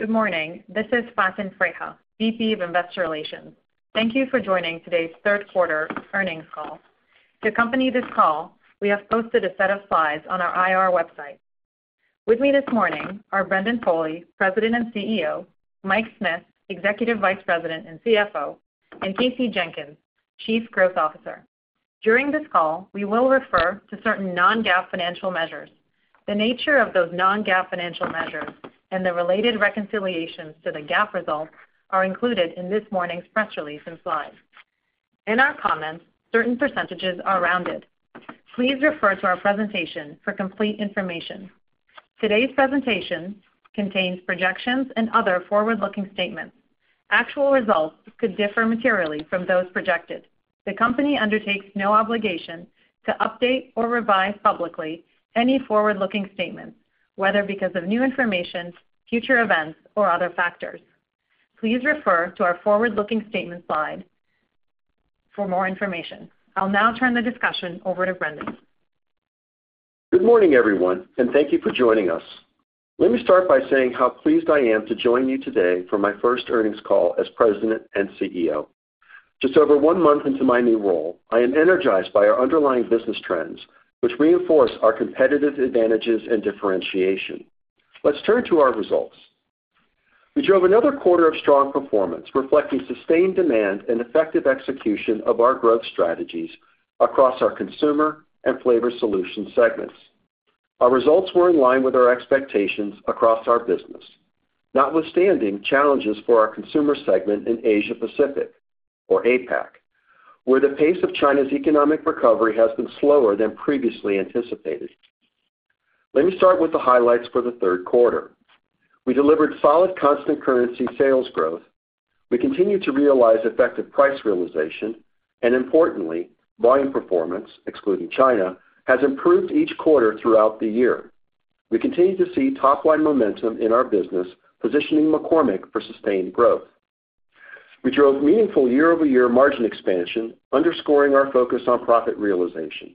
Good morning. This is Faten Freiha, VP of Investor Relations. Thank you for joining today's Third Quarter Earnings Call. To accompany this call, we have posted a set of slides on our IR website. With me this morning are Brendan Foley, President and CEO, Mike Smith, Executive Vice President and CFO, and Kasey Jenkins, Chief Growth Officer. During this call, we will refer to certain non-GAAP financial measures. The nature of those non-GAAP financial measures and the related reconciliations to the GAAP results are included in this morning's press release and slides. In our comments, certain percentages are rounded. Please refer to our presentation for complete information. Today's presentation contains projections and other forward-looking statements. Actual results could differ materially from those projected. The company undertakes no obligation to update or revise publicly any forward-looking statements, whether because of new information, future events, or other factors. Please refer to our forward-looking statement slide for more information. I'll now turn the discussion over to Brendan. Good morning, everyone, and thank you for joining us. Let me start by saying how pleased I am to join you today for my first earnings call as President and CEO. Just over one month into my new role, I am energized by our underlying business trends, which reinforce our competitive advantages and differentiation. Let's turn to our results. We drove another quarter of strong performance, reflecting sustained demand and effective execution of our growth strategies across our Consumer and Flavor Solutions segments. Our results were in line with our expectations across our business, notwithstanding challenges for our Consumer segment in Asia Pacific, or APAC, where the pace of China's economic recovery has been slower than previously anticipated. Let me start with the highlights for the third quarter. We delivered solid constant-currency sales growth. We continued to realize effective price realization, and importantly, volume performance, excluding China, has improved each quarter throughout the year. We continue to see top-line momentum in our business, positioning McCormick for sustained growth. We drove meaningful year-over-year margin expansion, underscoring our focus on profit realization.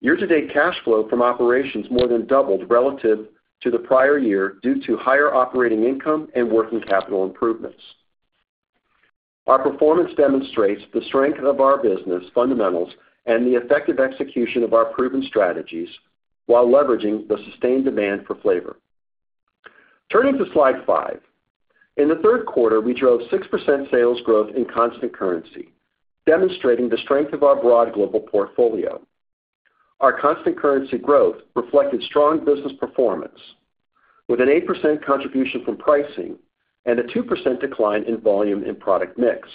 Year-to-date cash flow from operations more than doubled relative to the prior year due to higher operating income and working capital improvements. Our performance demonstrates the strength of our business fundamentals and the effective execution of our proven strategies while leveraging the sustained demand for flavor. Turning to slide five. In the third quarter, we drove 6% sales growth in constant currency, demonstrating the strength of our broad global portfolio. Our constant currency growth reflected strong business performance, with an 8% contribution from pricing and a 2% decline in volume and product mix.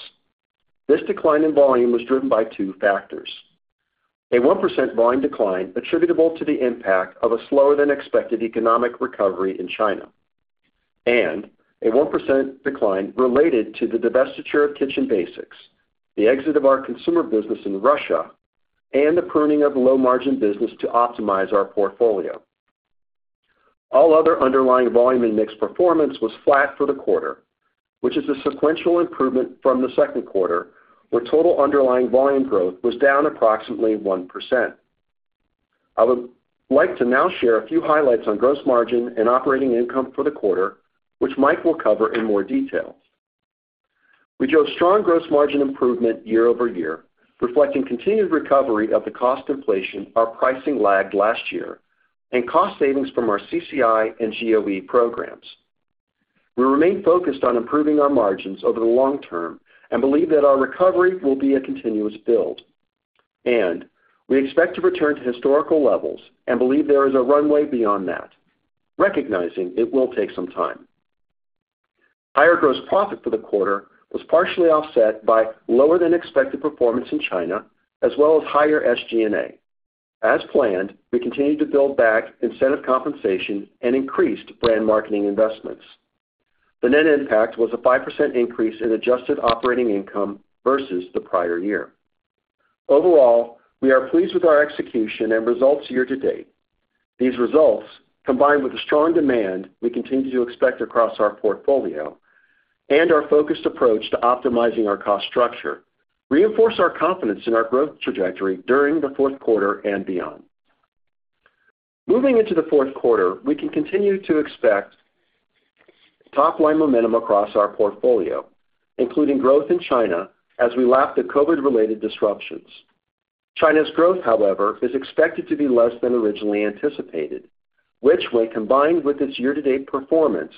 This decline in volume was driven by two factors: A 1% volume decline attributable to the impact of a slower-than-expected economic recovery in China, and a 1% decline related to the divestiture of Kitchen Basics, the exit of our consumer business in Russia, and the pruning of low-margin business to optimize our portfolio. All other underlying volume and mix performance was flat for the quarter, which is a sequential improvement from the second quarter, where total underlying volume growth was down approximately 1%. I would like to now share a few highlights on gross margin and operating income for the quarter, which Mike will cover in more detail. We drove strong gross margin improvement year-over-year, reflecting continued recovery of the cost inflation, our pricing lagged last year, and cost savings from our CCI and GOE programs. We remain focused on improving our margins over the long term and believe that our recovery will be a continuous build, and we expect to return to historical levels and believe there is a runway beyond that, recognizing it will take some time. Higher gross profit for the quarter was partially offset by lower-than-expected performance in China, as well as higher SG&A. As planned, we continued to build back incentive compensation and increased brand marketing investments. The net impact was a 5% increase in adjusted operating income versus the prior year. Overall, we are pleased with our execution and results year to date. These results, combined with the strong demand we continue to expect across our portfolio and our focused approach to optimizing our cost structure, reinforce our confidence in our growth trajectory during the fourth quarter and beyond. Moving into the fourth quarter, we can continue to expect top-line momentum across our portfolio, including growth in China, as we lap the COVID-related disruptions. China's growth, however, is expected to be less than originally anticipated, which, when combined with its year-to-date performance,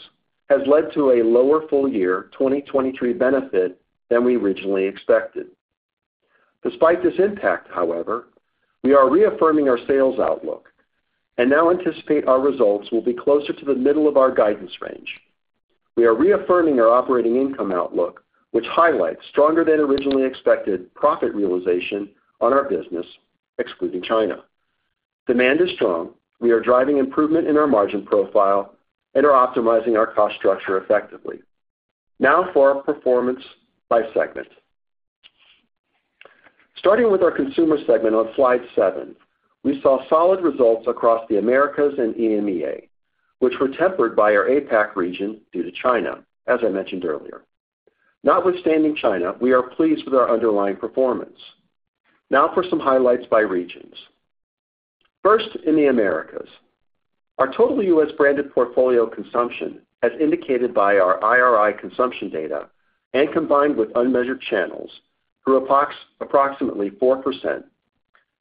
has led to a lower full-year 2023 benefit than we originally expected. Despite this impact, however, we are reaffirming our sales outlook and now anticipate our results will be closer to the middle of our guidance range. We are reaffirming our operating income outlook, which highlights stronger than originally expected profit realization on our business, excluding China. Demand is strong. We are driving improvement in our margin profile and are optimizing our cost structure effectively. Now for our performance by segment. Starting with our consumer segment on slide seven, we saw solid results across the Americas and EMEA, which were tempered by our APAC region due to China, as I mentioned earlier. Notwithstanding China, we are pleased with our underlying performance. Now for some highlights by regions.... First, in the Americas, our total U.S. branded portfolio consumption, as indicated by our IRI consumption data and combined with unmeasured channels, grew approximately 4%,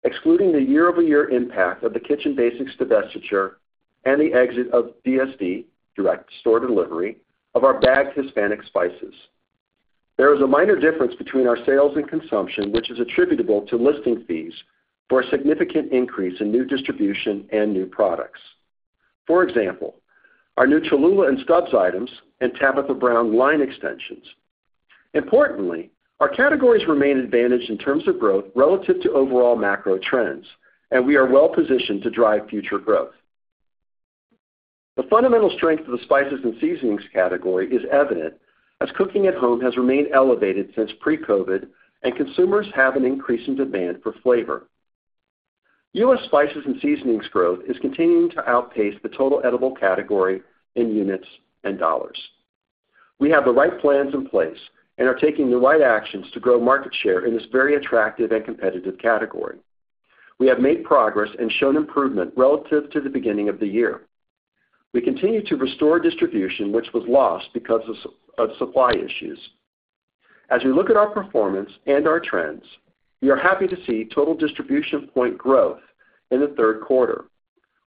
excluding the year-over-year impact of the Kitchen Basics divestiture and the exit of DSD, direct store delivery, of our bagged Hispanic spices. There is a minor difference between our sales and consumption, which is attributable to listing fees for a significant increase in new distribution and new products. For example, our new Cholula and Stubb's items and Tabitha Brown line extensions. Importantly, our categories remain advantaged in terms of growth relative to overall macro trends, and we are well positioned to drive future growth. The fundamental strength of the spices and seasonings category is evident, as cooking at home has remained elevated since pre-COVID, and consumers have an increasing demand for flavor. U.S. spices and seasonings growth is continuing to outpace the total edible category in units and dollars. We have the right plans in place and are taking the right actions to grow market share in this very attractive and competitive category. We have made progress and shown improvement relative to the beginning of the year. We continue to restore distribution, which was lost because of supply issues. As we look at our performance and our trends, we are happy to see total distribution points growth in the third quarter.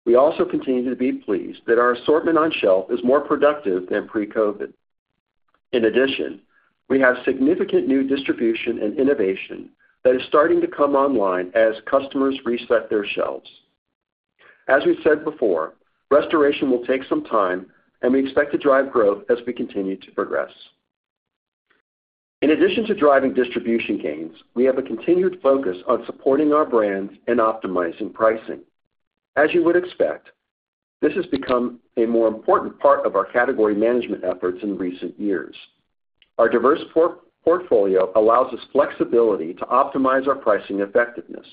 We also continue to be pleased that our assortment on shelf is more productive than pre-COVID. In addition, we have significant new distribution and innovation that is starting to come online as customers reset their shelves. As we've said before, restoration will take some time, and we expect to drive growth as we continue to progress. In addition to driving distribution gains, we have a continued focus on supporting our brands and optimizing pricing. As you would expect, this has become a more important part of our category management efforts in recent years. Our diverse portfolio allows us flexibility to optimize our pricing effectiveness.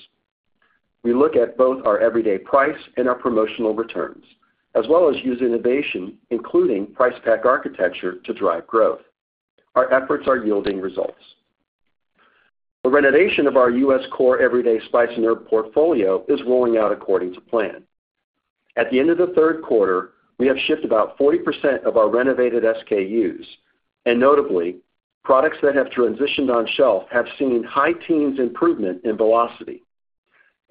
We look at both our everyday price and our promotional returns, as well as use innovation, including price pack architecture, to drive growth. Our efforts are yielding results. The renovation of our U.S. core everyday spice and herb portfolio is rolling out according to plan. At the end of the third quarter, we have shipped about 40% of our renovated SKUs, and notably, products that have transitioned on shelf have seen high teens improvement in velocity,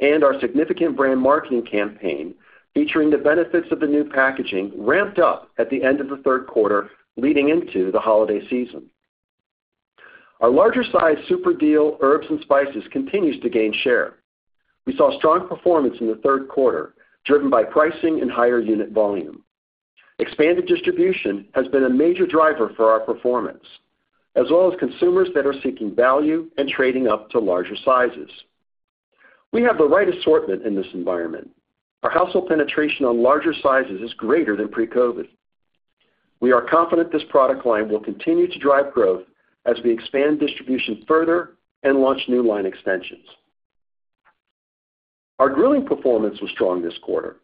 and our significant brand marketing campaign, featuring the benefits of the new packaging, ramped up at the end of the third quarter, leading into the holiday season. Our larger size Super Deal herbs and spices continues to gain share. We saw strong performance in the third quarter, driven by pricing and higher unit volume. Expanded distribution has been a major driver for our performance, as well as consumers that are seeking value and trading up to larger sizes. We have the right assortment in this environment. Our household penetration on larger sizes is greater than pre-COVID. We are confident this product line will continue to drive growth as we expand distribution further and launch new line extensions. Our grilling performance was strong this quarter,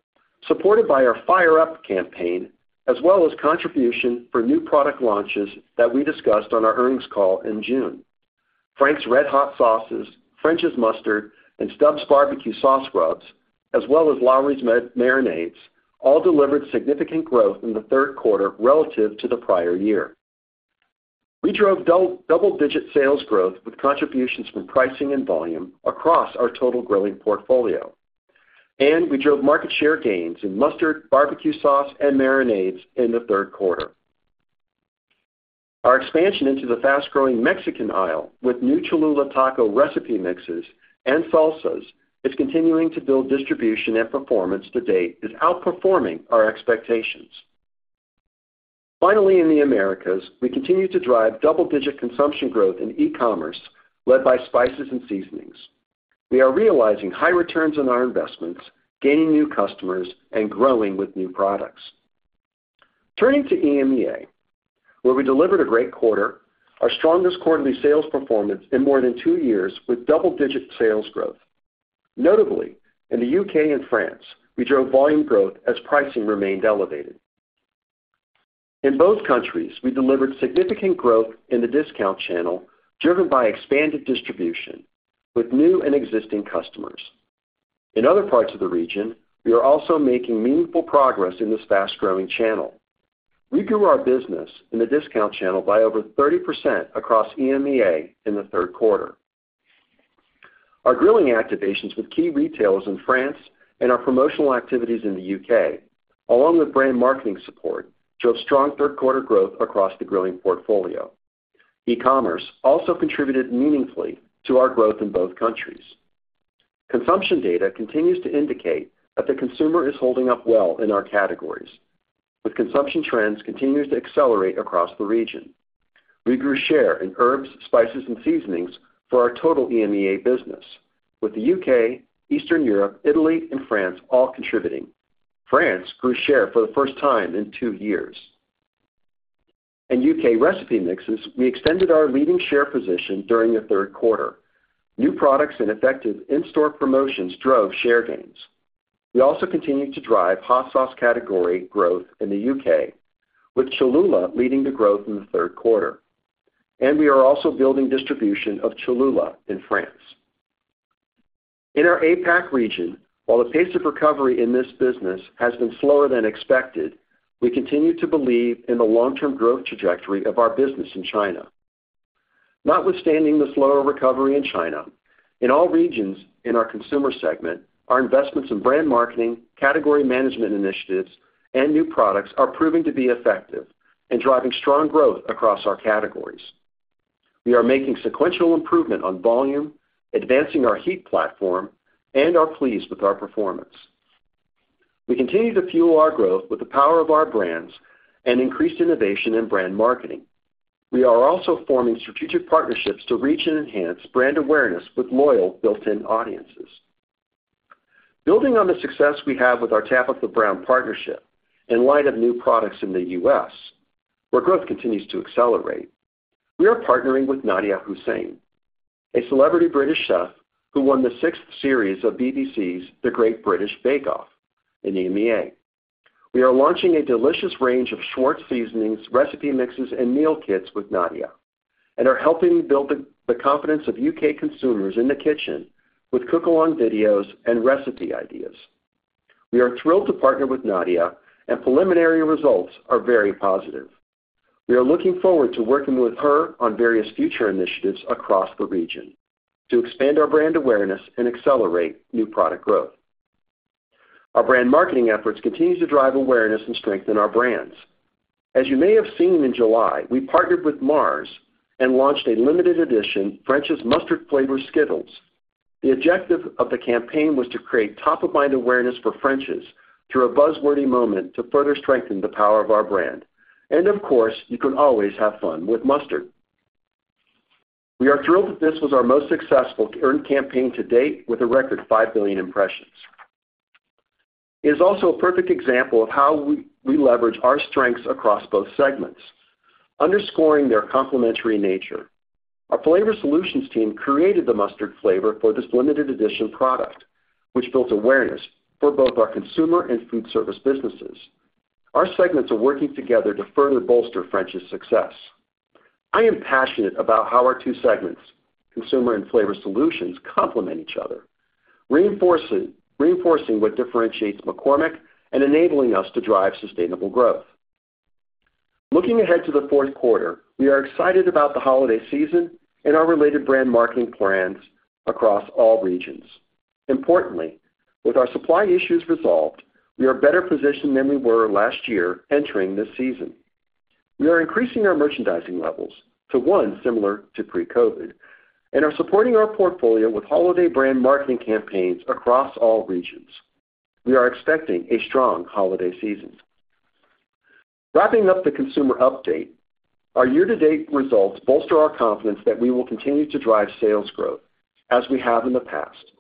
supported by our Fire Up campaign, as well as contribution for new product launches that we discussed on our earnings call in June. Frank's RedHot sauces, French's Mustard, and Stubb's barbecue sauce rubs, as well as Lawry's Marinades, all delivered significant growth in the third quarter relative to the prior year. We drove double, double-digit sales growth with contributions from pricing and volume across our total grilling portfolio, and we drove market share gains in mustard, barbecue sauce, and marinades in the third quarter. Our expansion into the fast-growing Mexican aisle with new Cholula taco recipe mixes and salsas is continuing to build distribution, and performance to date is outperforming our expectations. Finally, in the Americas, we continue to drive double-digit consumption growth in e-commerce, led by spices and seasonings. We are realizing high returns on our investments, gaining new customers, and growing with new products. Turning to EMEA, where we delivered a great quarter, our strongest quarterly sales performance in more than two years, with double-digit sales growth. Notably, in the UK and France, we drove volume growth as pricing remained elevated. In both countries, we delivered significant growth in the discount channel, driven by expanded distribution with new and existing customers. In other parts of the region, we are also making meaningful progress in this fast-growing channel. We grew our business in the discount channel by over 30% across EMEA in the third quarter. Our grilling activations with key retailers in France and our promotional activities in the UK, along with brand marketing support, drove strong third quarter growth across the grilling portfolio. E-commerce also contributed meaningfully to our growth in both countries. Consumption data continues to indicate that the consumer is holding up well in our categories, with consumption trends continue to accelerate across the region. We grew share in herbs, spices, and seasonings for our total EMEA business, with the UK, Eastern Europe, Italy, and France all contributing. France grew share for the first time in two years. In UK recipe mixes, we extended our leading share position during the third quarter. New products and effective in-store promotions drove share gains. We also continued to drive hot sauce category growth in the UK, with Cholula leading the growth in the third quarter, and we are also building distribution of Cholula in France. In our APAC region, while the pace of recovery in this business has been slower than expected, we continue to believe in the long-term growth trajectory of our business in China. Notwithstanding the slower recovery in China, in all regions in our consumer segment, our investments in brand marketing, category management initiatives, and new products are proving to be effective and driving strong growth across our categories. We are making sequential improvement on volume, advancing our heat platform, and are pleased with our performance. We continue to fuel our growth with the power of our brands and increased innovation in brand marketing. We are also forming strategic partnerships to reach and enhance brand awareness with loyal built-in audiences. Building on the success we have with our Tabitha Brown partnership, in light of new products in the U.S., where growth continues to accelerate, we are partnering with Nadiya Hussain, a celebrity British chef who won the sixth series of BBC's The Great British Bake Off in EMEA. We are launching a delicious range of Schwartz seasonings, recipe mixes, and meal kits with Nadiya, and are helping build the confidence of U.K. consumers in the kitchen with cook-along videos and recipe ideas. We are thrilled to partner with Nadiya, and preliminary results are very positive. We are looking forward to working with her on various future initiatives across the region to expand our brand awareness and accelerate new product growth. Our brand marketing efforts continues to drive awareness and strengthen our brands. As you may have seen in July, we partnered with Mars and launched a limited edition French's Mustard flavored SKITTLES. The objective of the campaign was to create top-of-mind awareness for French's through a buzzworthy moment to further strengthen the power of our brand, and of course, you can always have fun with mustard. We are thrilled that this was our most successful earned campaign to date, with a record 5 billion impressions. It is also a perfect example of how we leverage our strengths across both segments, underscoring their complementary nature. Our flavor solutions team created the mustard flavor for this limited edition product, which built awareness for both our consumer and food service businesses. Our segments are working together to further bolster French's success. I am passionate about how our two segments, consumer and flavor solutions, complement each other, reinforcing what differentiates McCormick and enabling us to drive sustainable growth. Looking ahead to the fourth quarter, we are excited about the holiday season and our related brand marketing plans across all regions. Importantly, with our supply issues resolved, we are better positioned than we were last year entering this season. We are increasing our merchandising levels to one similar to pre-COVID, and are supporting our portfolio with holiday brand marketing campaigns across all regions. We are expecting a strong holiday season. Wrapping up the consumer update, our year-to-date results bolster our confidence that we will continue to drive sales growth, as we have in the past.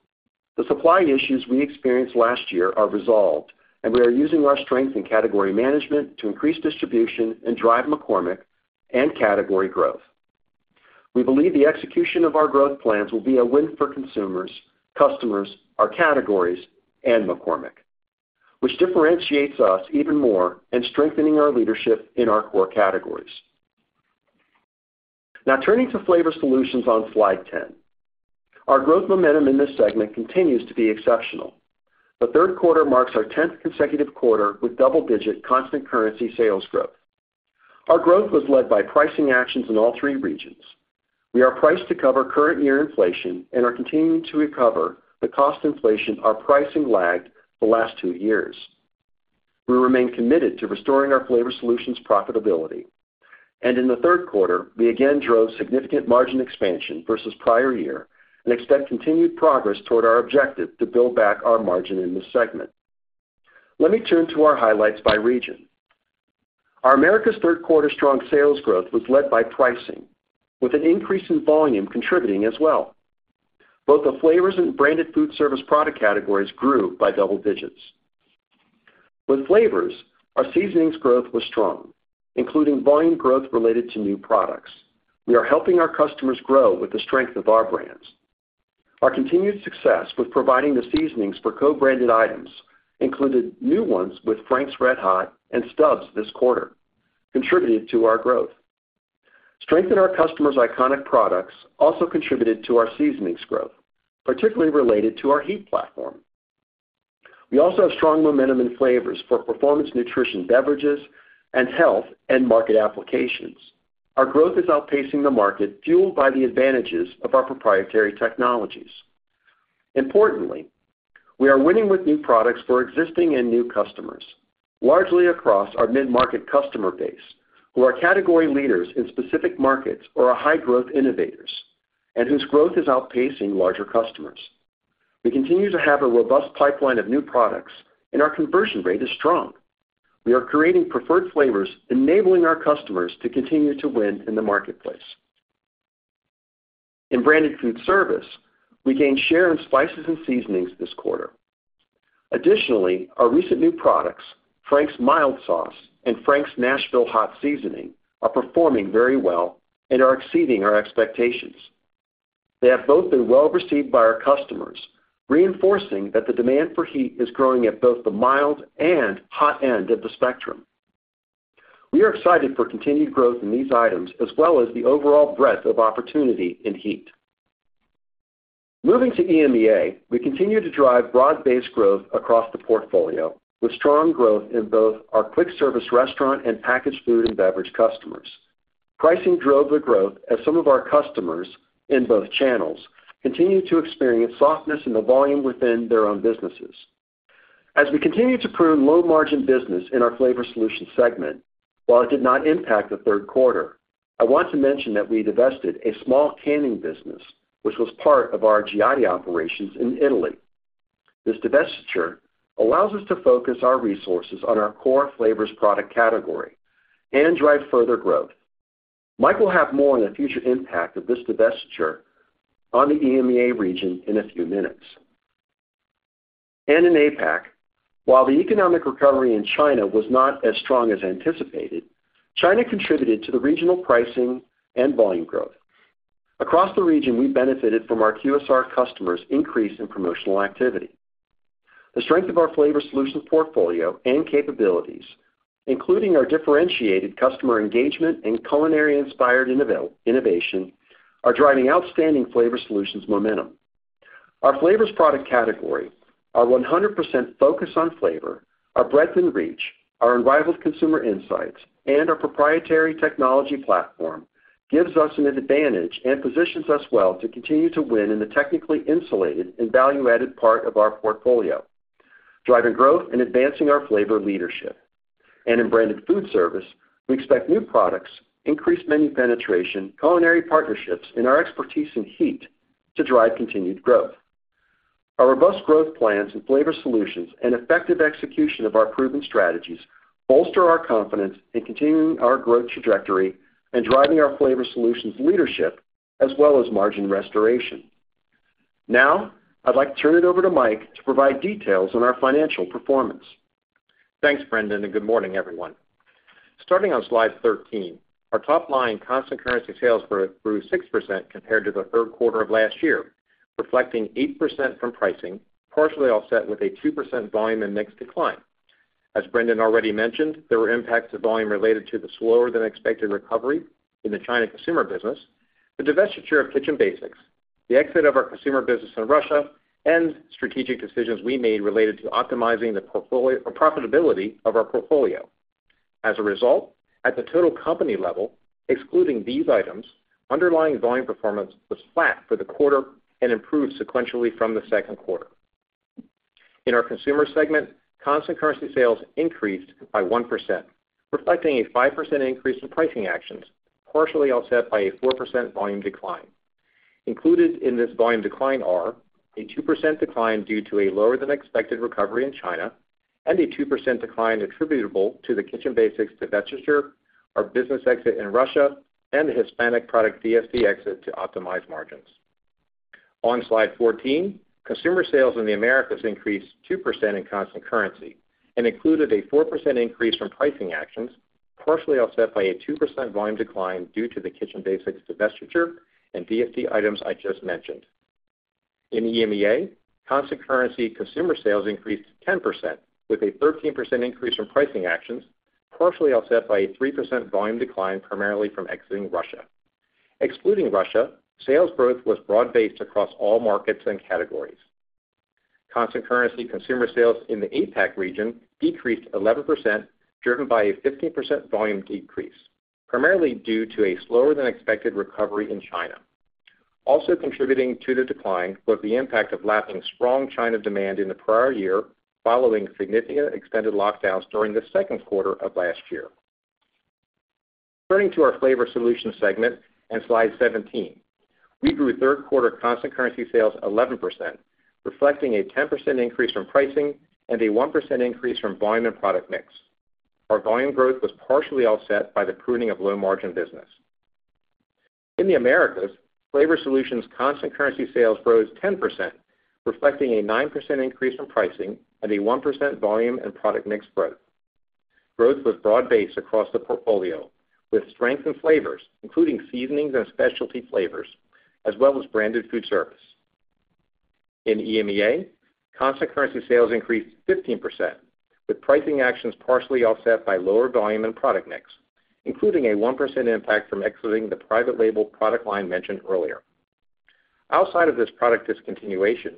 The supply issues we experienced last year are resolved, and we are using our strength in category management to increase distribution and drive McCormick and category growth. We believe the execution of our growth plans will be a win for consumers, customers, our categories, and McCormick, which differentiates us even more in strengthening our leadership in our core categories. Now, turning to Flavor Solutions on slide 10. Our growth momentum in this segment continues to be exceptional. The third quarter marks our tenth consecutive quarter with double-digit constant currency sales growth. Our growth was led by pricing actions in all three regions. We are priced to cover current year inflation and are continuing to recover the cost inflation our pricing lagged the last two years. We remain committed to restoring our Flavor Solutions profitability, and in the third quarter, we again drove significant margin expansion versus prior year and expect continued progress toward our objective to build back our margin in this segment. Let me turn to our highlights by region. Our Americas' third-quarter strong sales growth was led by pricing, with an increase in volume contributing as well. Both the flavors and branded food service product categories grew by double digits. With flavors, our seasonings growth was strong, including volume growth related to new products. We are helping our customers grow with the strength of our brands. Our continued success with providing the seasonings for co-branded items, included new ones with Frank's RedHot and Stubb's this quarter, contributed to our growth. Strength in our customers' iconic products also contributed to our seasonings growth, particularly related to our heat platform. We also have strong momentum in flavors for performance nutrition beverages, and health, and market applications. Our growth is outpacing the market, fueled by the advantages of our proprietary technologies. Importantly, we are winning with new products for existing and new customers, largely across our mid-market customer base, who are category leaders in specific markets or are high-growth innovators, and whose growth is outpacing larger customers. We continue to have a robust pipeline of new products, and our conversion rate is strong. We are creating preferred flavors, enabling our customers to continue to win in the marketplace. In branded food service, we gained share in spices and seasonings this quarter. Additionally, our recent new products, Frank's Mild Sauce and Frank's Nashville Hot Seasoning, are performing very well and are exceeding our expectations.... They have both been well received by our customers, reinforcing that the demand for heat is growing at both the mild and hot end of the spectrum. We are excited for continued growth in these items, as well as the overall breadth of opportunity in heat. Moving to EMEA, we continue to drive broad-based growth across the portfolio, with strong growth in both our quick service restaurant and packaged food and beverage customers. Pricing drove the growth as some of our customers, in both channels, continued to experience softness in the volume within their own businesses. As we continue to prune low-margin business in our flavor solution segment, while it did not impact the third quarter, I want to mention that we divested a small canning business, which was part of our Giotti operations in Italy. This divestiture allows us to focus our resources on our core flavors product category and drive further growth. Mike will have more on the future impact of this divestiture on the EMEA region in a few minutes. And in APAC, while the economic recovery in China was not as strong as anticipated, China contributed to the regional pricing and volume growth. Across the region, we benefited from our QSR customers' increase in promotional activity. The strength of our flavor solutions portfolio and capabilities, including our differentiated customer engagement and culinary-inspired innovation, are driving outstanding flavor solutions momentum. Our flavors product category, our 100% focus on flavor, our breadth and reach, our unrivaled consumer insights, and our proprietary technology platform gives us an advantage and positions us well to continue to win in the technically insulated and value-added part of our portfolio, driving growth and advancing our flavor leadership. And in branded food service, we expect new products, increased menu penetration, culinary partnerships, and our expertise in heat to drive continued growth. Our robust growth plans in flavor solutions and effective execution of our proven strategies bolster our confidence in continuing our growth trajectory and driving our flavor solutions leadership, as well as margin restoration. Now, I'd like to turn it over to Mike to provide details on our financial performance. Thanks, Brendan, and good morning, everyone. Starting on slide 13, our top line constant currency sales growth grew 6% compared to the third quarter of last year, reflecting 8% from pricing, partially offset with a 2% volume and mix decline. As Brendan already mentioned, there were impacts to volume related to the slower than expected recovery in the China consumer business, the divestiture of Kitchen Basics, the exit of our consumer business in Russia, and strategic decisions we made related to optimizing the portfolio, or profitability of our portfolio. As a result, at the total company level, excluding these items, underlying volume performance was flat for the quarter and improved sequentially from the second quarter. In our consumer segment, constant currency sales increased by 1%, reflecting a 5% increase in pricing actions, partially offset by a 4% volume decline. Included in this volume decline are a 2% decline due to a lower than expected recovery in China, and a 2% decline attributable to the Kitchen Basics divestiture, our business exit in Russia, and the Hispanic product DSD exit to optimize margins. On slide 14, consumer sales in the Americas increased 2% in constant currency and included a 4% increase from pricing actions, partially offset by a 2% volume decline due to the Kitchen Basics divestiture and DSD items I just mentioned. In EMEA, constant currency consumer sales increased 10%, with a 13% increase from pricing actions, partially offset by a 3% volume decline, primarily from exiting Russia. Excluding Russia, sales growth was broad-based across all markets and categories. Constant currency consumer sales in the APAC region decreased 11%, driven by a 15% volume decrease, primarily due to a slower than expected recovery in China. Also contributing to the decline was the impact of lapping strong China demand in the prior year, following significant extended lockdowns during the second quarter of last year. Turning to our flavor solutions segment, and slide 17, we grew third quarter constant currency sales 11%, reflecting a 10% increase from pricing and a 1% increase from volume and product mix. Our volume growth was partially offset by the pruning of low-margin business. In the Americas, flavor solutions constant currency sales rose 10%, reflecting a 9% increase in pricing and a 1% volume and product mix growth. Growth was broad-based across the portfolio, with strength in flavors, including seasonings and specialty flavors, as well as branded food service. In EMEA, constant currency sales increased 15%, with pricing actions partially offset by lower volume and product mix, including a 1% impact from exiting the private label product line mentioned earlier. Outside of this product discontinuation,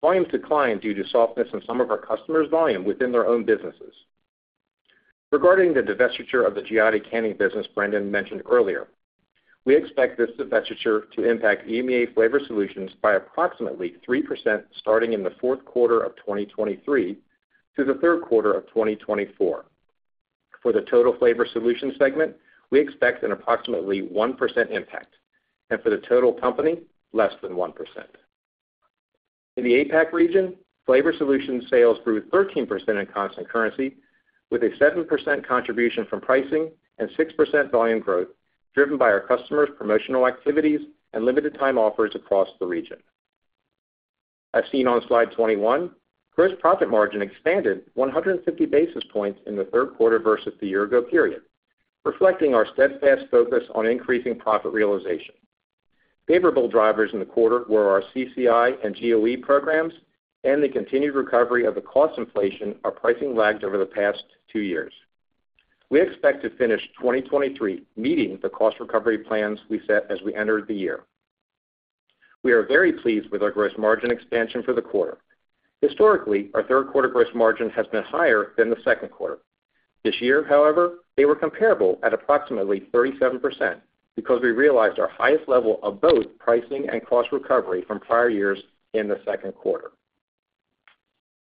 volumes declined due to softness in some of our customers' volume within their own businesses. Regarding the divestiture of the Giotti Candy business Brendan mentioned earlier, we expect this divestiture to impact EMEA flavor solutions by approximately 3%, starting in the fourth quarter of 2023 to the third quarter of 2024. For the total flavor solutions segment, we expect an approximately 1% impact, and for the total company, less than 1%. In the APAC region, flavor solutions sales grew 13% in constant currency, with a 7% contribution from pricing and 6% volume growth, driven by our customers' promotional activities and limited-time offers across the region. As seen on slide 21, gross profit margin expanded 150 basis points in the third quarter versus the year ago period, reflecting our steadfast focus on increasing profit realization. Favorable drivers in the quarter were our CCI and GOE programs, and the continued recovery of the cost inflation, our pricing lagged over the past two years. We expect to finish 2023, meeting the cost recovery plans we set as we entered the year. We are very pleased with our gross margin expansion for the quarter. Historically, our third quarter gross margin has been higher than the second quarter. This year, however, they were comparable at approximately 37% because we realized our highest level of both pricing and cost recovery from prior years in the second quarter.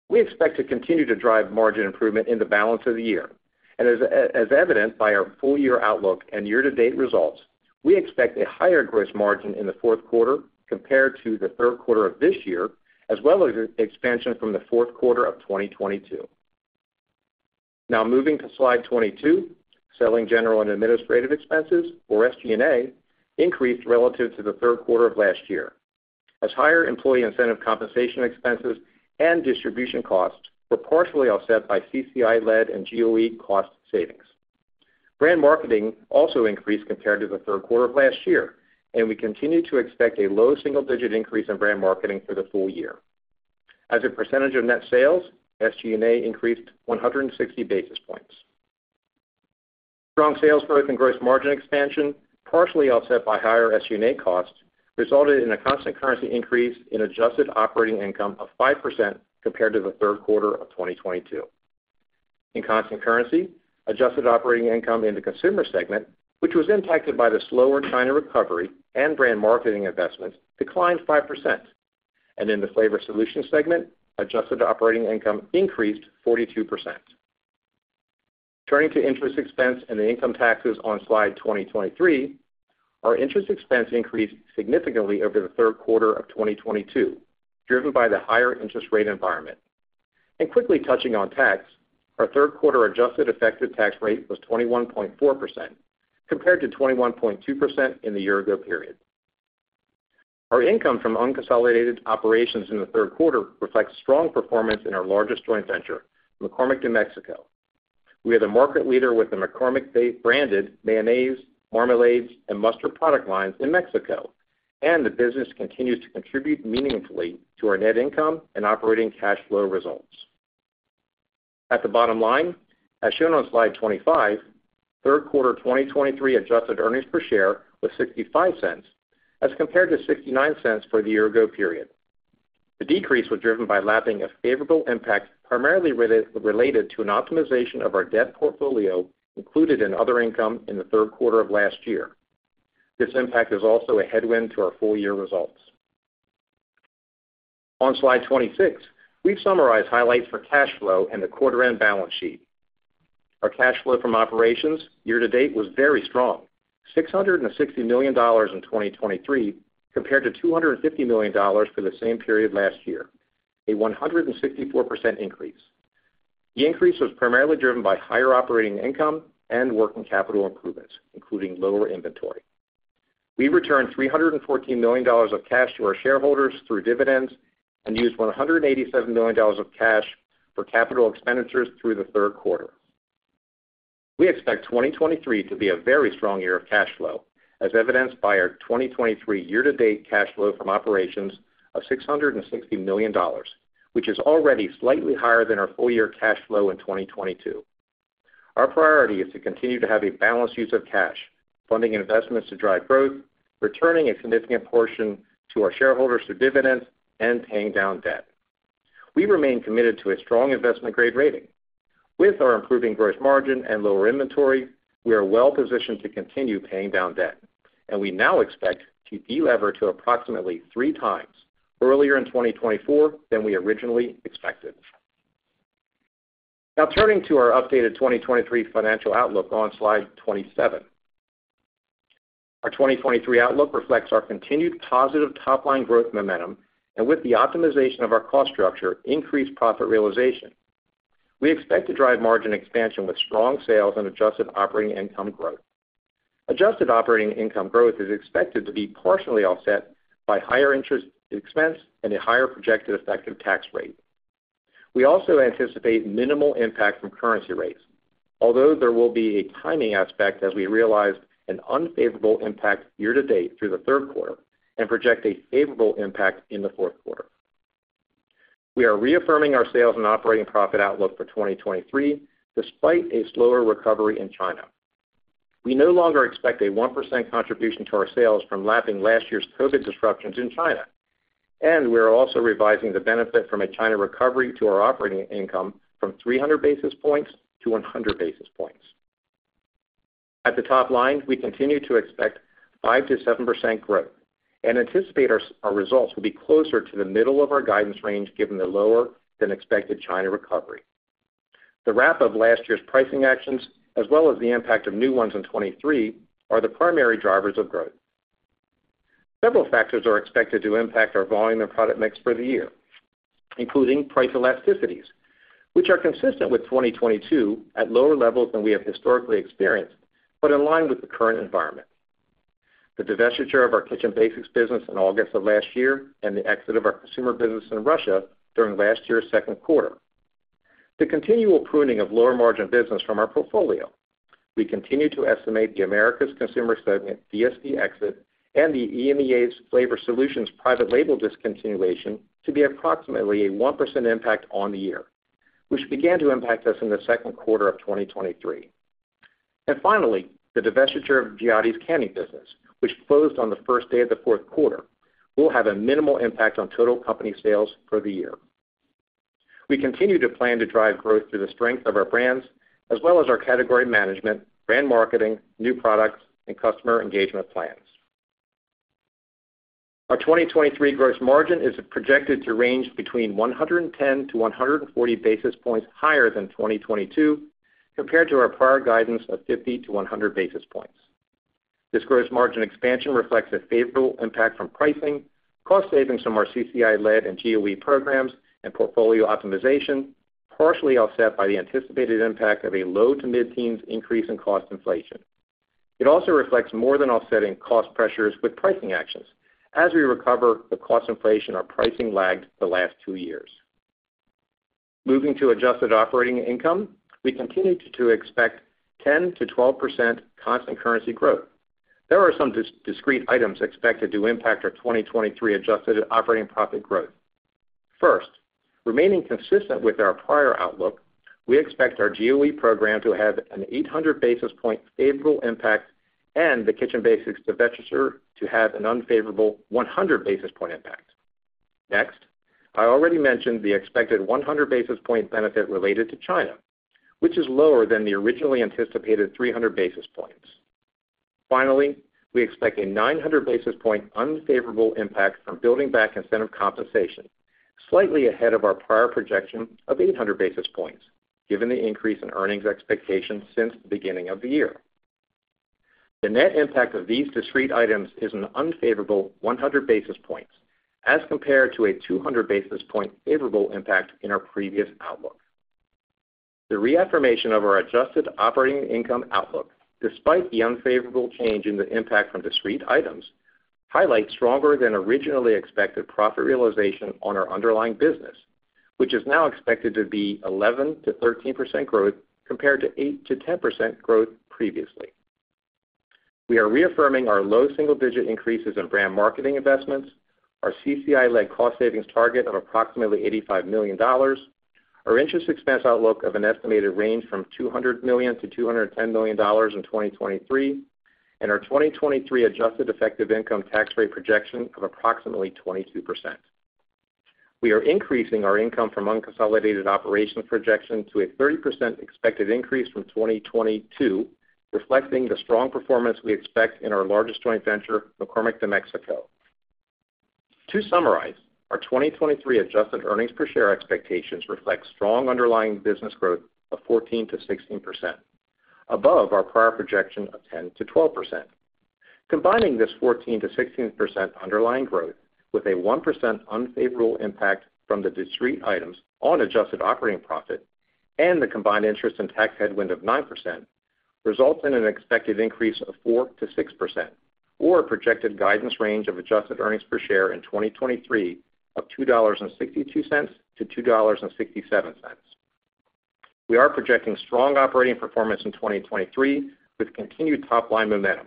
We expect to continue to drive margin improvement in the balance of the year, and as evident by our full year outlook and year-to-date results, we expect a higher gross margin in the fourth quarter compared to the third quarter of this year, as well as expansion from the fourth quarter of 2022. Now, moving to slide 22, selling general and administrative expenses, or SG&A, increased relative to the third quarter of last year, as higher employee incentive compensation expenses and distribution costs were partially offset by CCI-led and GOE cost savings. Brand marketing also increased compared to the third quarter of last year, and we continue to expect a low single-digit increase in brand marketing for the full year. As a percentage of net sales, SG&A increased 160 basis points. Strong sales growth and gross margin expansion, partially offset by higher SG&A costs, resulted in a constant currency increase in adjusted operating income of 5% compared to the third quarter of 2022. In constant currency, adjusted operating income in the consumer segment, which was impacted by the slower China recovery and brand marketing investments, declined 5%, and in the flavor solution segment, adjusted operating income increased 42%. Turning to interest expense and the income taxes on slide 23, our interest expense increased significantly over the third quarter of 2022, driven by the higher interest rate environment. Quickly touching on tax, our third quarter adjusted effective tax rate was 21.4%, compared to 21.2% in the year ago period. Our income from unconsolidated operations in the third quarter reflects strong performance in our largest joint venture, McCormick de Mexico. We are the market leader with the McCormick de Mexico branded mayonnaise, marmalades, and mustard product lines in Mexico, and the business continues to contribute meaningfully to our net income and operating cash flow results. At the bottom line, as shown on slide 25, third quarter 2023 adjusted earnings per share was $0.65, as compared to $0.69 for the year ago period. The decrease was driven by lapping a favorable impact, primarily related to an optimization of our debt portfolio, included in other income in the third quarter of last year. This impact is also a headwind to our full-year results. On slide 26, we've summarized highlights for cash flow and the quarter-end balance sheet. Our cash flow from operations year to date was very strong. $660 million in 2023, compared to $250 million for the same period last year, a 164% increase. The increase was primarily driven by higher operating income and working capital improvements, including lower inventory. We returned $314 million of cash to our shareholders through dividends and used $187 million of cash for capital expenditures through the third quarter. We expect 2023 to be a very strong year of cash flow, as evidenced by our 2023 year-to-date cash flow from operations of $660 million, which is already slightly higher than our full-year cash flow in 2022. Our priority is to continue to have a balanced use of cash, funding investments to drive growth, returning a significant portion to our shareholders through dividends, and paying down debt. We remain committed to a strong investment-grade rating. With our improving gross margin and lower inventory, we are well-positioned to continue paying down debt, and we now expect to delever to approximately 3x earlier in 2024 than we originally expected. Now, turning to our updated 2023 financial outlook on slide 27. Our 2023 outlook reflects our continued positive top-line growth momentum, and with the optimization of our cost structure, increased profit realization. We expect to drive margin expansion with strong sales and adjusted operating income growth. Adjusted operating income growth is expected to be partially offset by higher interest expense and a higher projected effective tax rate. We also anticipate minimal impact from currency rates, although there will be a timing aspect as we realize an unfavorable impact year to date through the third quarter and project a favorable impact in the fourth quarter. We are reaffirming our sales and operating profit outlook for 2023, despite a slower recovery in China. We no longer expect a 1% contribution to our sales from lapping last year's COVID disruptions in China, and we are also revising the benefit from a China recovery to our operating income from 300 basis points to 100 basis points. At the top line, we continue to expect 5%-7% growth and anticipate our results will be closer to the middle of our guidance range, given the lower-than-expected China recovery. The wrap of last year's pricing actions, as well as the impact of new ones in 2023, are the primary drivers of growth. Several factors are expected to impact our volume and product mix for the year, including price elasticities, which are consistent with 2022 at lower levels than we have historically experienced, but in line with the current environment.... The divestiture of our Kitchen Basics business in August of last year and the exit of our consumer business in Russia during last year's second quarter. The continual pruning of lower-margin business from our portfolio. We continue to estimate the Americas consumer segment DSD exit and the EMEA's Flavor Solutions private label discontinuation to be approximately a 1% impact on the year, which began to impact us in the second quarter of 2023. Finally, the divestiture of Giotti's Candy business, which closed on the first day of the fourth quarter, will have a minimal impact on total company sales for the year. We continue to plan to drive growth through the strength of our brands, as well as our category management, brand marketing, new products, and customer engagement plans. Our 2023 gross margin is projected to range between 110-140 basis points higher than 2022, compared to our prior guidance of 50-100 basis points. This gross margin expansion reflects a favorable impact from pricing, cost savings from our CCI-led and GOE programs, and portfolio optimization, partially offset by the anticipated impact of a low- to mid-teens increase in cost inflation. It also reflects more than offsetting cost pressures with pricing actions. As we recover, the cost inflation or pricing lagged the last two years. Moving to adjusted operating income, we continued to expect 10%-12% constant currency growth. There are some discrete items expected to impact our 2023 adjusted operating profit growth. First, remaining consistent with our prior outlook, we expect our GOE program to have an 800 basis point favorable impact and the Kitchen Basics divestiture to have an unfavorable 100 basis point impact. Next, I already mentioned the expected 100 basis point benefit related to China, which is lower than the originally anticipated 300 basis points. Finally, we expect a 900 basis point unfavorable impact from building back incentive compensation, slightly ahead of our prior projection of 800 basis points, given the increase in earnings expectations since the beginning of the year. The net impact of these discrete items is an unfavorable 100 basis points, as compared to a 200 basis point favorable impact in our previous outlook. The reaffirmation of our adjusted operating income outlook, despite the unfavorable change in the impact from discrete items, highlights stronger than originally expected profit realization on our underlying business, which is now expected to be 11%-13% growth, compared to 8%-10% growth previously. We are reaffirming our low single-digit increases in brand marketing investments, our CCI-led cost savings target of approximately $85 million, our interest expense outlook of an estimated range of $200 million-$210 million in 2023, and our 2023 adjusted effective income tax rate projection of approximately 22%. We are increasing our income from unconsolidated operations projection to a 30% expected increase from 2022, reflecting the strong performance we expect in our largest joint venture, McCormick de Mexico. To summarize, our 2023 adjusted earnings per share expectations reflect strong underlying business growth of 14%-16%, above our prior projection of 10%-12%. Combining this 14%-16% underlying growth with a 1% unfavorable impact from the discrete items on adjusted operating profit and the combined interest and tax headwind of 9%, results in an expected increase of 4%-6%, or a projected guidance range of adjusted earnings per share in 2023 of $2.62-$2.67. We are projecting strong operating performance in 2023, with continued top-line momentum,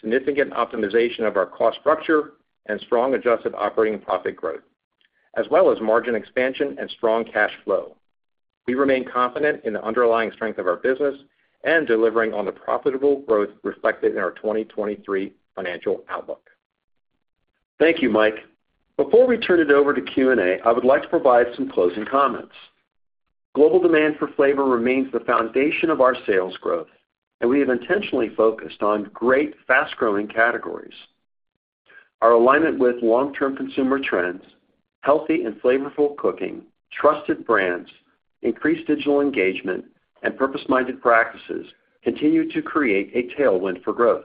significant optimization of our cost structure, and strong adjusted operating profit growth, as well as margin expansion and strong cash flow. We remain confident in the underlying strength of our business and delivering on the profitable growth reflected in our 2023 financial outlook. Thank you, Mike. Before we turn it over to Q&A, I would like to provide some closing comments. Global demand for flavor remains the foundation of our sales growth, and we have intentionally focused on great, fast-growing categories. Our alignment with long-term consumer trends, healthy and flavorful cooking, trusted brands, increased digital engagement, and purpose-minded practices continue to create a tailwind for growth.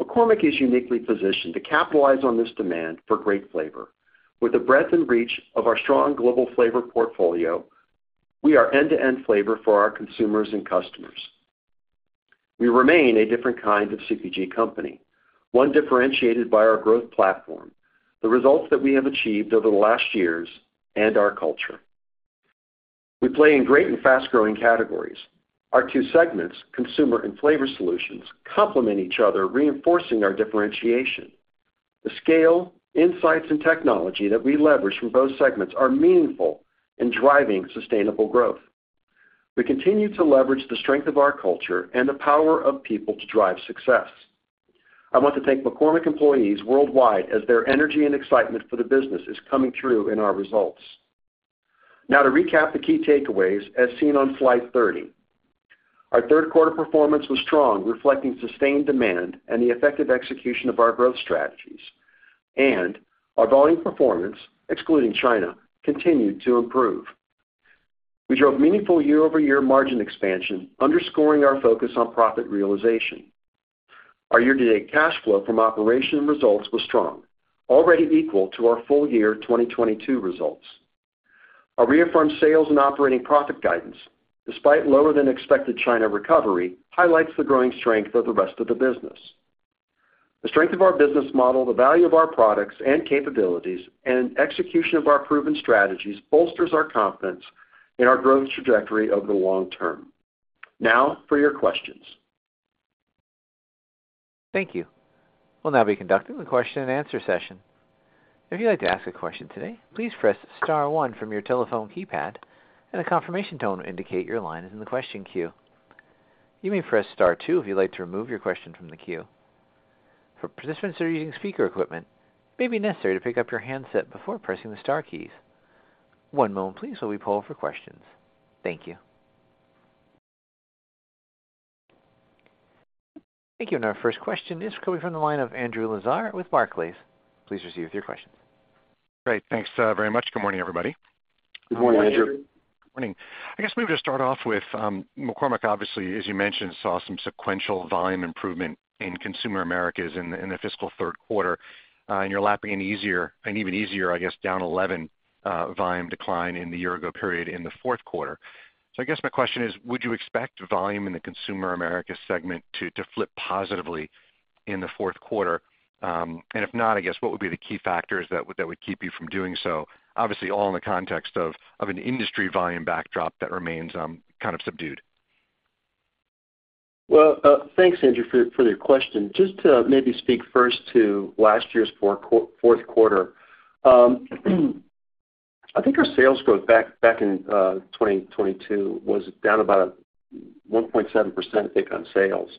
McCormick is uniquely positioned to capitalize on this demand for great flavor. With the breadth and reach of our strong global flavor portfolio, we are end-to-end flavor for our consumers and customers. We remain a different kind of CPG company, one differentiated by our growth platform, the results that we have achieved over the last years, and our culture. We play in great and fast-growing categories. Our two segments, Consumer and Flavor Solutions, complement each other, reinforcing our differentiation. The scale, insights, and technology that we leverage from both segments are meaningful in driving sustainable growth. We continue to leverage the strength of our culture and the power of people to drive success. I want to thank McCormick employees worldwide, as their energy and excitement for the business is coming through in our results. Now, to recap the key takeaways as seen on slide 30. Our third quarter performance was strong, reflecting sustained demand and the effective execution of our growth strategies. Our volume performance, excluding China, continued to improve. We drove meaningful year-over-year margin expansion, underscoring our focus on profit realization. Our year-to-date cash flow from operations results was strong, already equal to our full-year 2022 results. Our reaffirmed sales and operating profit guidance, despite lower than expected China recovery, highlights the growing strength of the rest of the business. The strength of our business model, the value of our products and capabilities, and execution of our proven strategies bolsters our confidence in our growth trajectory over the long term. Now for your questions. Thank you. We'll now be conducting the question and answer session. If you'd like to ask a question today, please press star one from your telephone keypad, and a confirmation tone will indicate your line is in the question queue. You may press star two if you'd like to remove your question from the queue. For participants that are using speaker equipment, it may be necessary to pick up your handset before pressing the star keys. One moment please, while we poll for questions. Thank you. Thank you. And our first question is coming from the line of Andrew Lazar with Barclays. Please proceed with your question. Great, thanks, very much. Good morning, everybody. Good morning, Andrew. Good morning. I guess maybe to start off with, McCormick, obviously, as you mentioned, saw some sequential volume improvement in Consumer Americas in the fiscal third quarter, and you're lapping in easier and even easier, I guess, down 11 volume decline in the year ago period in the fourth quarter. So I guess my question is: would you expect volume in the Consumer Americas segment to flip positively in the fourth quarter? And if not, I guess, what would be the key factors that would keep you from doing so? Obviously, all in the context of an industry volume backdrop that remains kind of subdued. Well, thanks, Andrew, for your question. Just to maybe speak first to last year's fourth quarter. I think our sales growth back in 2022 was down about 1.7% I think on sales,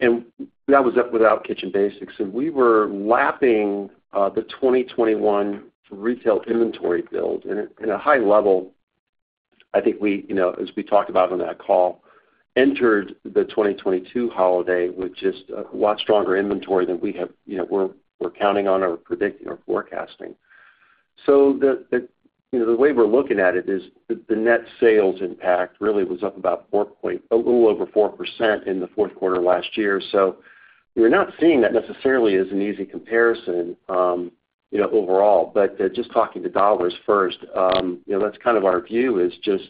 and that was up without Kitchen Basics. And we were lapping the 2021 retail inventory build. And at a high level, I think we, you know, as we talked about on that call, entered the 2022 holiday with just a lot stronger inventory than we have, you know, we're counting on or predicting or forecasting. So the, you know, the way we're looking at it is the net sales impact really was up about four point... A little over 4% in the fourth quarter last year. So we're not seeing that necessarily as an easy comparison, you know, overall. But just talking to dollars first, you know, that's kind of our view, is just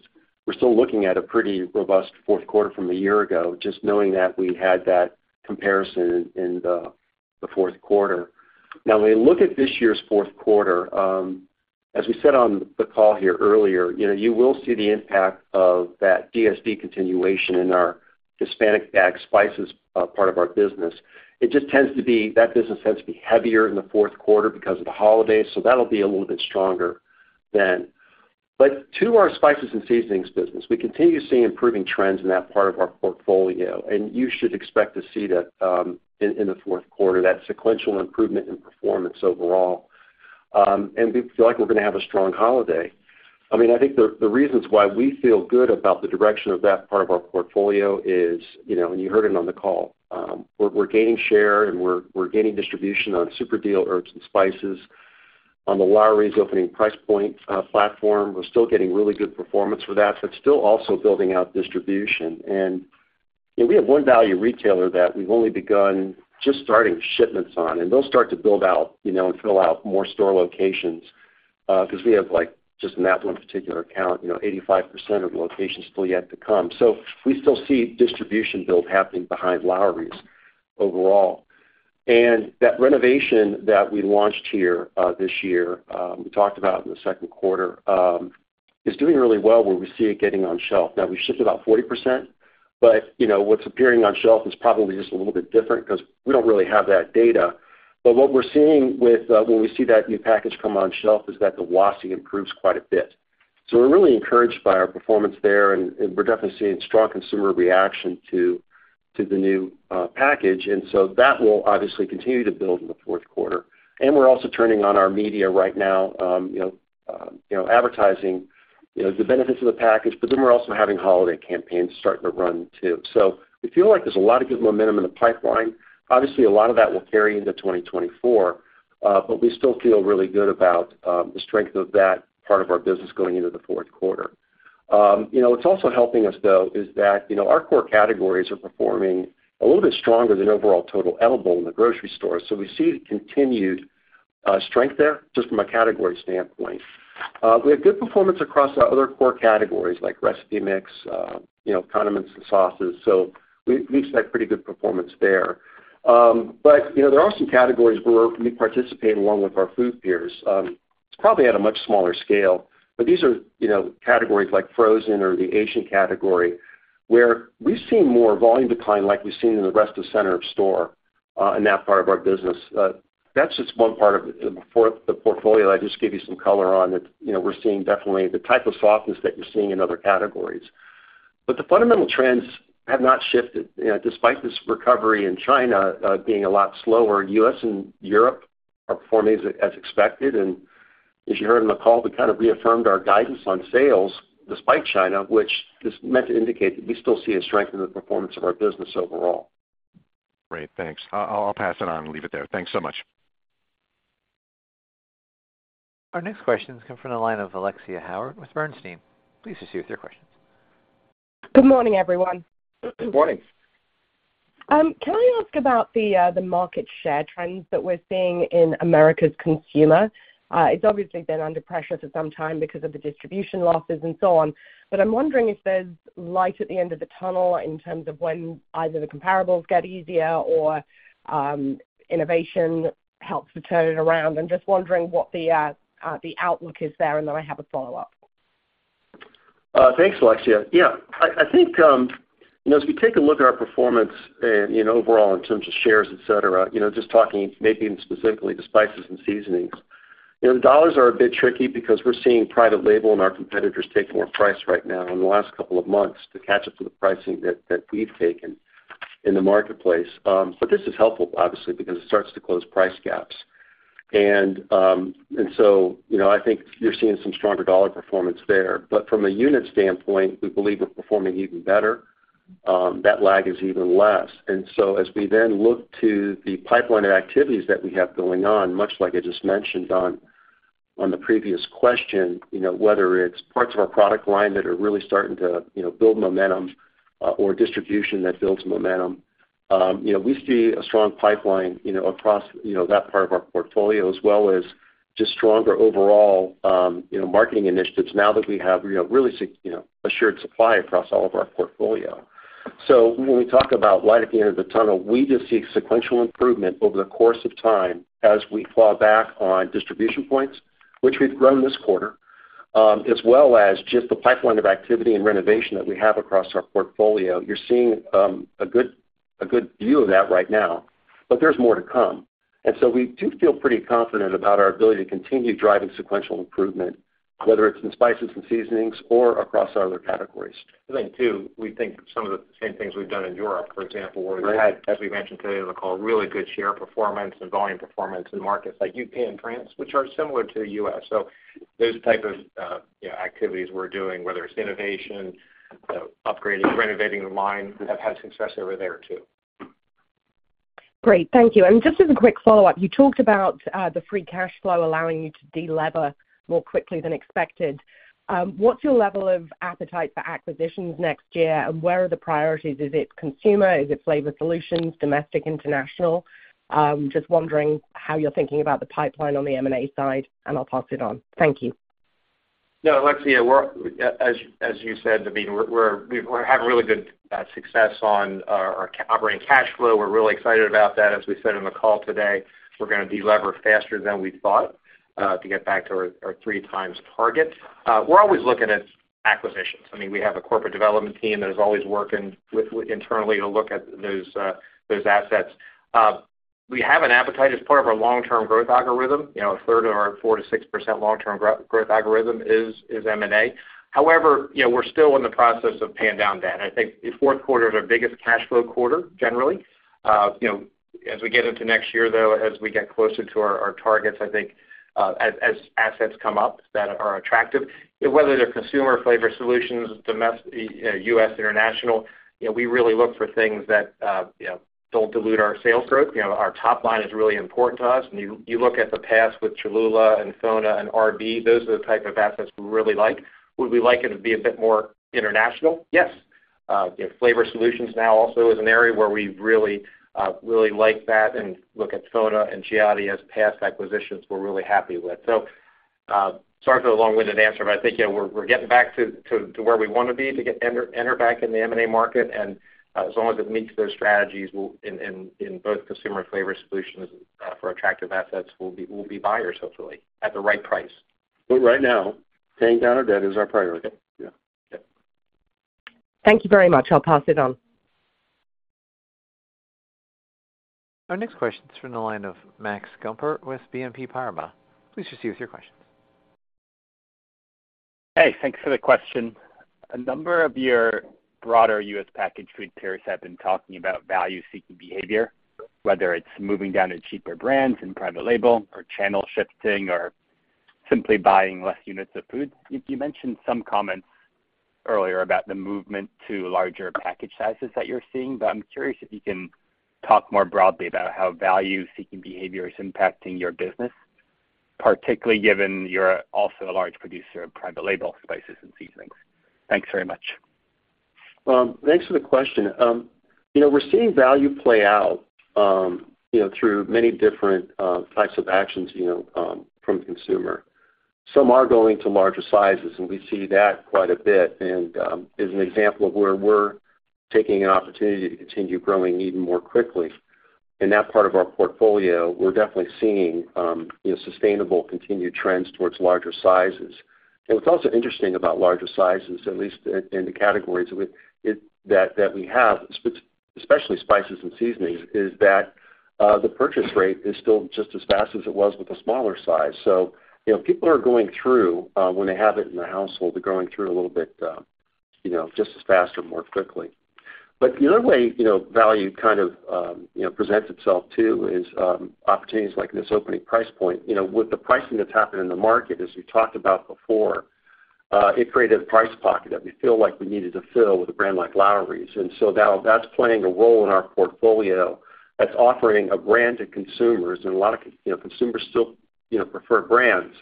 we're still looking at a pretty robust fourth quarter from a year ago, just knowing that we had that comparison in the fourth quarter. Now, when we look at this year's fourth quarter, as we said on the call here earlier, you know, you will see the impact of that DSD continuation in our Hispanic bagged spices, part of our business. It just tends to be. That business tends to be heavier in the fourth quarter because of the holidays, so that'll be a little bit stronger then. But to our spices and seasonings business, we continue to see improving trends in that part of our portfolio, and you should expect to see that, in the fourth quarter, that sequential improvement in performance overall. And we feel like we're gonna have a strong holiday. I mean, I think the reasons why we feel good about the direction of that part of our portfolio is, you know, and you heard it on the call, we're, we're gaining share, and we're, we're gaining distribution on super deal herbs and spices. On the Lawry's opening price point platform, we're still getting really good performance with that, but still also building out distribution. You know, we have one value retailer that we've only begun just starting shipments on, and they'll start to build out, you know, and fill out more store locations, because we have, like, just in that one particular account, you know, 85% of the locations still yet to come. So we still see distribution build happening behind Lawry's overall. And that renovation that we launched here, this year, we talked about in the second quarter, is doing really well where we see it getting on shelf. Now, we've shipped about 40%, but, you know, what's appearing on shelf is probably just a little bit different because we don't really have that data. But what we're seeing with, when we see that new package come on shelf, is that the WASI improves quite a bit. So we're really encouraged by our performance there, and, and we're definitely seeing strong consumer reaction to, to the new package. And so that will obviously continue to build in the fourth quarter. And we're also turning on our media right now, you know, you know, advertising, you know, the benefits of the package, but then we're also having holiday campaigns starting to run, too. So we feel like there's a lot of good momentum in the pipeline. Obviously, a lot of that will carry into 2024, but we still feel really good about the strength of that part of our business going into the fourth quarter. You know, what's also helping us, though, is that, you know, our core categories are performing a little bit stronger than overall total edible in the grocery store. So we see continued strength there, just from a category standpoint. We have good performance across our other core categories, like recipe mix, you know, condiments and sauces, so we expect pretty good performance there. But, you know, there are some categories where we participate along with our food peers. It's probably at a much smaller scale, but these are, you know, categories like frozen or the Asian category, where we've seen more volume decline like we've seen in the rest of center of store in that part of our business. That's just one part of the portfolio. I just gave you some color on it. You know, we're seeing definitely the type of softness that you're seeing in other categories. But the fundamental trends have not shifted. You know, despite this recovery in China being a lot slower, U.S. and Europe are performing as expected. And as you heard on the call, we kind of reaffirmed our guidance on sales despite China, which is meant to indicate that we still see a strength in the performance of our business overall. Great, thanks. I'll pass it on and leave it there. Thanks so much. Our next question has come from the line of Alexia Howard with Bernstein. Please proceed with your question. Good morning, everyone. Good morning. Can I ask about the market share trends that we're seeing in Americas Consumer? It's obviously been under pressure for some time because of the distribution losses and so on, but I'm wondering if there's light at the end of the tunnel in terms of when either the comparables get easier or innovation helps to turn it around. I'm just wondering what the outlook is there, and then I have a follow-up. Thanks, Alexia. Yeah, I think, you know, as we take a look at our performance and, you know, overall in terms of shares, et cetera, you know, just talking, maybe specifically the spices and seasonings. You know, dollars are a bit tricky because we're seeing private label and our competitors take more price right now in the last couple of months to catch up to the pricing that we've taken in the marketplace. But this is helpful, obviously, because it starts to close price gaps. And so, you know, I think you're seeing some stronger dollar performance there. But from a unit standpoint, we believe we're performing even better, that lag is even less. As we then look to the pipeline of activities that we have going on, much like I just mentioned on the previous question, you know, whether it's parts of our product line that are really starting to, you know, build momentum, or distribution that builds momentum, you know, we see a strong pipeline, you know, across, you know, that part of our portfolio, as well as just stronger overall, you know, marketing initiatives now that we have, you know, really assured supply across all of our portfolio. So when we talk about light at the end of the tunnel, we just see sequential improvement over the course of time as we claw back on distribution points, which we've grown this quarter, as well as just the pipeline of activity and renovation that we have across our portfolio. You're seeing a good view of that right now, but there's more to come. And so we do feel pretty confident about our ability to continue driving sequential improvement, whether it's in spices and seasonings or across our other categories. I think, too, we think some of the same things we've done in Europe, for example, where we had, as we mentioned today on the call, really good share performance and volume performance in markets like U.K. and France, which are similar to the U.S. Those type of, you know, activities we're doing, whether it's innovation, upgrading, renovating the line, have had success over there, too. Great. Thank you. And just as a quick follow-up, you talked about the free cash flow allowing you to delever more quickly than expected. What's your level of appetite for acquisitions next year, and where are the priorities? Is it Consumer? Is it Flavor Solutions, domestic, international? Just wondering how you're thinking about the pipeline on the M&A side, and I'll pass it on. Thank you. No, Alexia, we're, as, as you said, I mean, we're having really good success on our operating cash flow. We're really excited about that. As we said in the call today, we're gonna delever faster than we thought, to get back to our 3x target. We're always looking at acquisitions. I mean, we have a corporate development team that is always working with, internally to look at those assets. We have an appetite as part of our long-term growth algorithm. You know, a third of our 4%-6% long-term growth algorithm is M&A. However, you know, we're still in the process of paying down debt. I think the fourth quarter is our biggest cash flow quarter, generally. You know, as we get into next year, though, as we get closer to our, our targets, I think, as, as assets come up that are attractive, whether they're Consumer, Flavor Solutions, domestic, US, international, you know, we really look for things that, you know, don't dilute our sales growth. You know, our top line is really important to us. You, you look at the past with Cholula and FONA and RB, those are the type of assets we really like. Would we like it to be a bit more international? Yes. Flavor Solutions now also is an area where we really, really like that, and look at FONA and Giotti as past acquisitions we're really happy with. So, sorry for the long-winded answer, but I think, yeah, we're getting back to where we want to be, to get back in the M&A market. And, as long as it meets those strategies, we'll in both Consumer, Flavor Solutions for attractive assets, we'll be buyers, hopefully, at the right price. But right now, paying down our debt is our priority. Yeah. Yeah. Thank you very much. I'll pass it on. Our next question is from the line of Max Gumport with BNP Paribas. Please proceed with your question. Hey, thanks for the question. A number of your broader U.S. packaged food peers have been talking about value-seeking behavior, whether it's moving down to cheaper brands and private label or channel shifting or simply buying less units of food. You, you mentioned some comments earlier about the movement to larger package sizes that you're seeing, but I'm curious if you can talk more broadly about how value-seeking behavior is impacting your business, particularly given you're also a large producer of private label spices and seasonings. Thanks very much. Thanks for the question. You know, we're seeing value play out, you know, through many different types of actions, you know, from consumer. Some are going to larger sizes, and we see that quite a bit, and, as an example of where we're taking an opportunity to continue growing even more quickly. In that part of our portfolio, we're definitely seeing, you know, sustainable continued trends towards larger sizes. And what's also interesting about larger sizes, at least in the categories with it that we have, especially spices and seasonings, is that the purchase rate is still just as fast as it was with the smaller size. So you know, people are going through, when they have it in the household, they're going through a little bit, you know, just as faster, more quickly. But the other way, you know, value kind of, you know, presents itself, too, is opportunities like this opening price point. You know, with the pricing that's happened in the market, as we talked about before, it created a price pocket that we feel like we needed to fill with a brand like Lawry's, and so that's playing a role in our portfolio that's offering a brand to consumers. And a lot of—you know, consumers still, you know, prefer brands...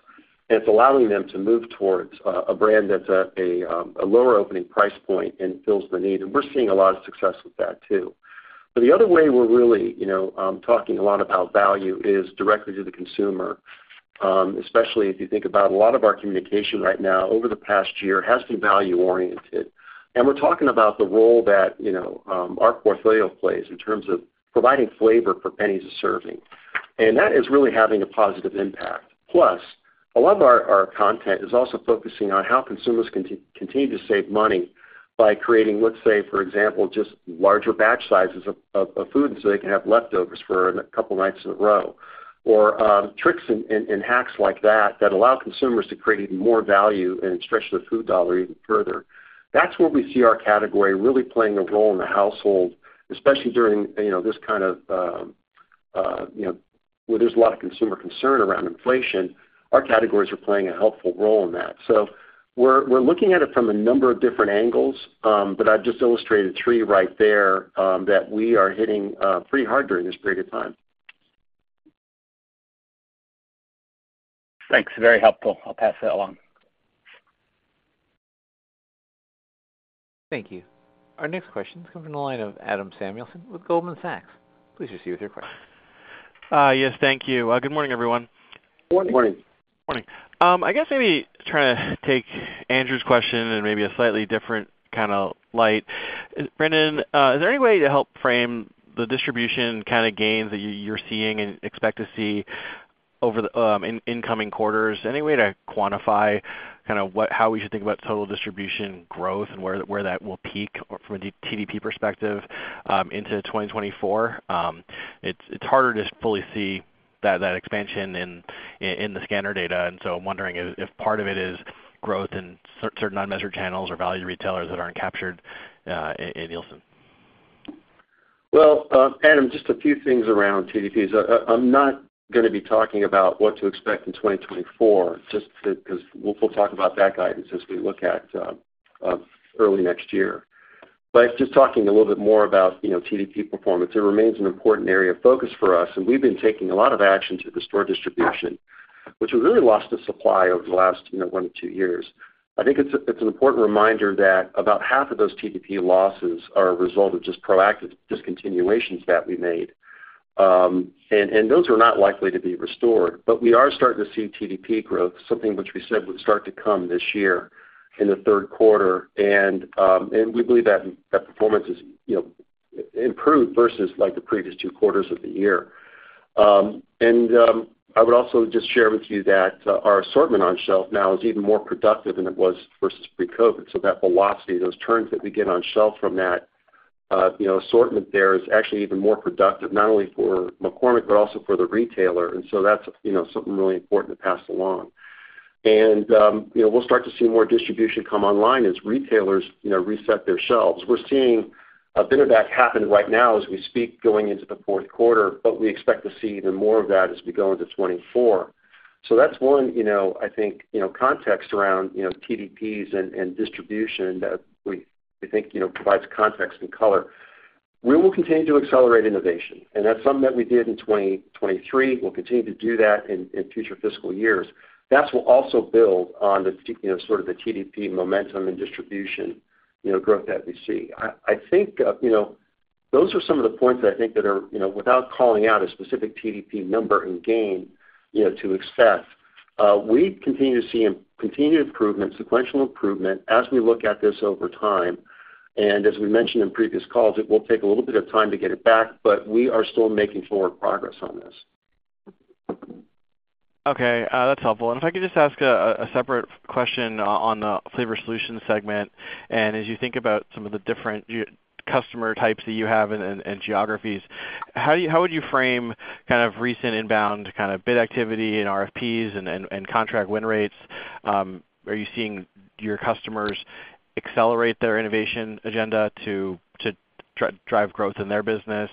and it's allowing them to move towards a brand that's at a a lower opening price point and fills the need. And we're seeing a lot of success with that, too. But the other way we're really, you know, talking a lot about value is directly to the consumer, especially if you think about a lot of our communication right now, over the past year, has been value-oriented. And we're talking about the role that, you know, our portfolio plays in terms of providing flavor for pennies a serving. And that is really having a positive impact. Plus, a lot of our content is also focusing on how consumers continue to save money by creating, let's say, for example, just larger batch sizes of food, so they can have leftovers for a couple of nights in a row, or tricks and hacks like that, that allow consumers to create even more value and stretch their food dollar even further. That's where we see our category really playing a role in the household, especially during, you know, this kind of, you know, where there's a lot of consumer concern around inflation. Our categories are playing a helpful role in that. So we're, we're looking at it from a number of different angles, but I've just illustrated three right there, that we are hitting, pretty hard during this period of time. Thanks, very helpful. I'll pass that along. Thank you. Our next question comes from the line of Adam Samuelson with Goldman Sachs. Please proceed with your question. Yes, thank you. Good morning, everyone. Good morning. Morning. Morning. I guess maybe trying to take Andrew's question in maybe a slightly different kind of light. Brendan, is there any way to help frame the distribution kind of gains that you, you're seeing and expect to see over the in coming quarters? Any way to quantify kind of what—how we should think about total distribution growth and where that will peak from a TDP perspective, into 2024? It's harder to fully see that expansion in the scanner data, and so I'm wondering if part of it is growth in certain unmeasured channels or value retailers that aren't captured in Nielsen. Well, Adam, just a few things around TDPs. I'm not gonna be talking about what to expect in 2024, just because we'll, we'll talk about that guidance as we look at early next year. But just talking a little bit more about, you know, TDP performance, it remains an important area of focus for us, and we've been taking a lot of action to restore distribution, which we really lost to supply over the last, you know, 1-2 years. I think it's, it's an important reminder that about half of those TDP losses are a result of just proactive discontinuations that we made. Those are not likely to be restored, but we are starting to see TDP growth, something which we said would start to come this year in the third quarter, and we believe that performance has, you know, improved versus, like, the previous two quarters of the year. I would also just share with you that our assortment on shelf now is even more productive than it was versus pre-COVID. So that velocity, those turns that we get on shelf from that, you know, assortment there, is actually even more productive, not only for McCormick, but also for the retailer. And so that's, you know, something really important to pass along. And, you know, we'll start to see more distribution come online as retailers, you know, reset their shelves. We're seeing a bit of that happen right now as we speak, going into the fourth quarter, but we expect to see even more of that as we go into 2024. So that's one, you know, I think, you know, context around, you know, TDPs and, and distribution that we, we think, you know, provides context and color. We will continue to accelerate innovation, and that's something that we did in 2023. We'll continue to do that in, in future fiscal years. That will also build on the, you know, sort of the TDP momentum and distribution, you know, growth that we see. I think, you know, those are some of the points I think that are, you know, without calling out a specific TDP number and gain, you know, to expect, we continue to see a continued improvement, sequential improvement, as we look at this over time. And as we mentioned in previous calls, it will take a little bit of time to get it back, but we are still making forward progress on this. Okay, that's helpful. And if I could just ask a separate question on the Flavor Solutions segment. And as you think about some of the different customer types that you have and geographies, how would you frame kind of recent inbound, kind of bid activity and RFPs and contract win rates? Are you seeing your customers accelerate their innovation agenda to drive growth in their business,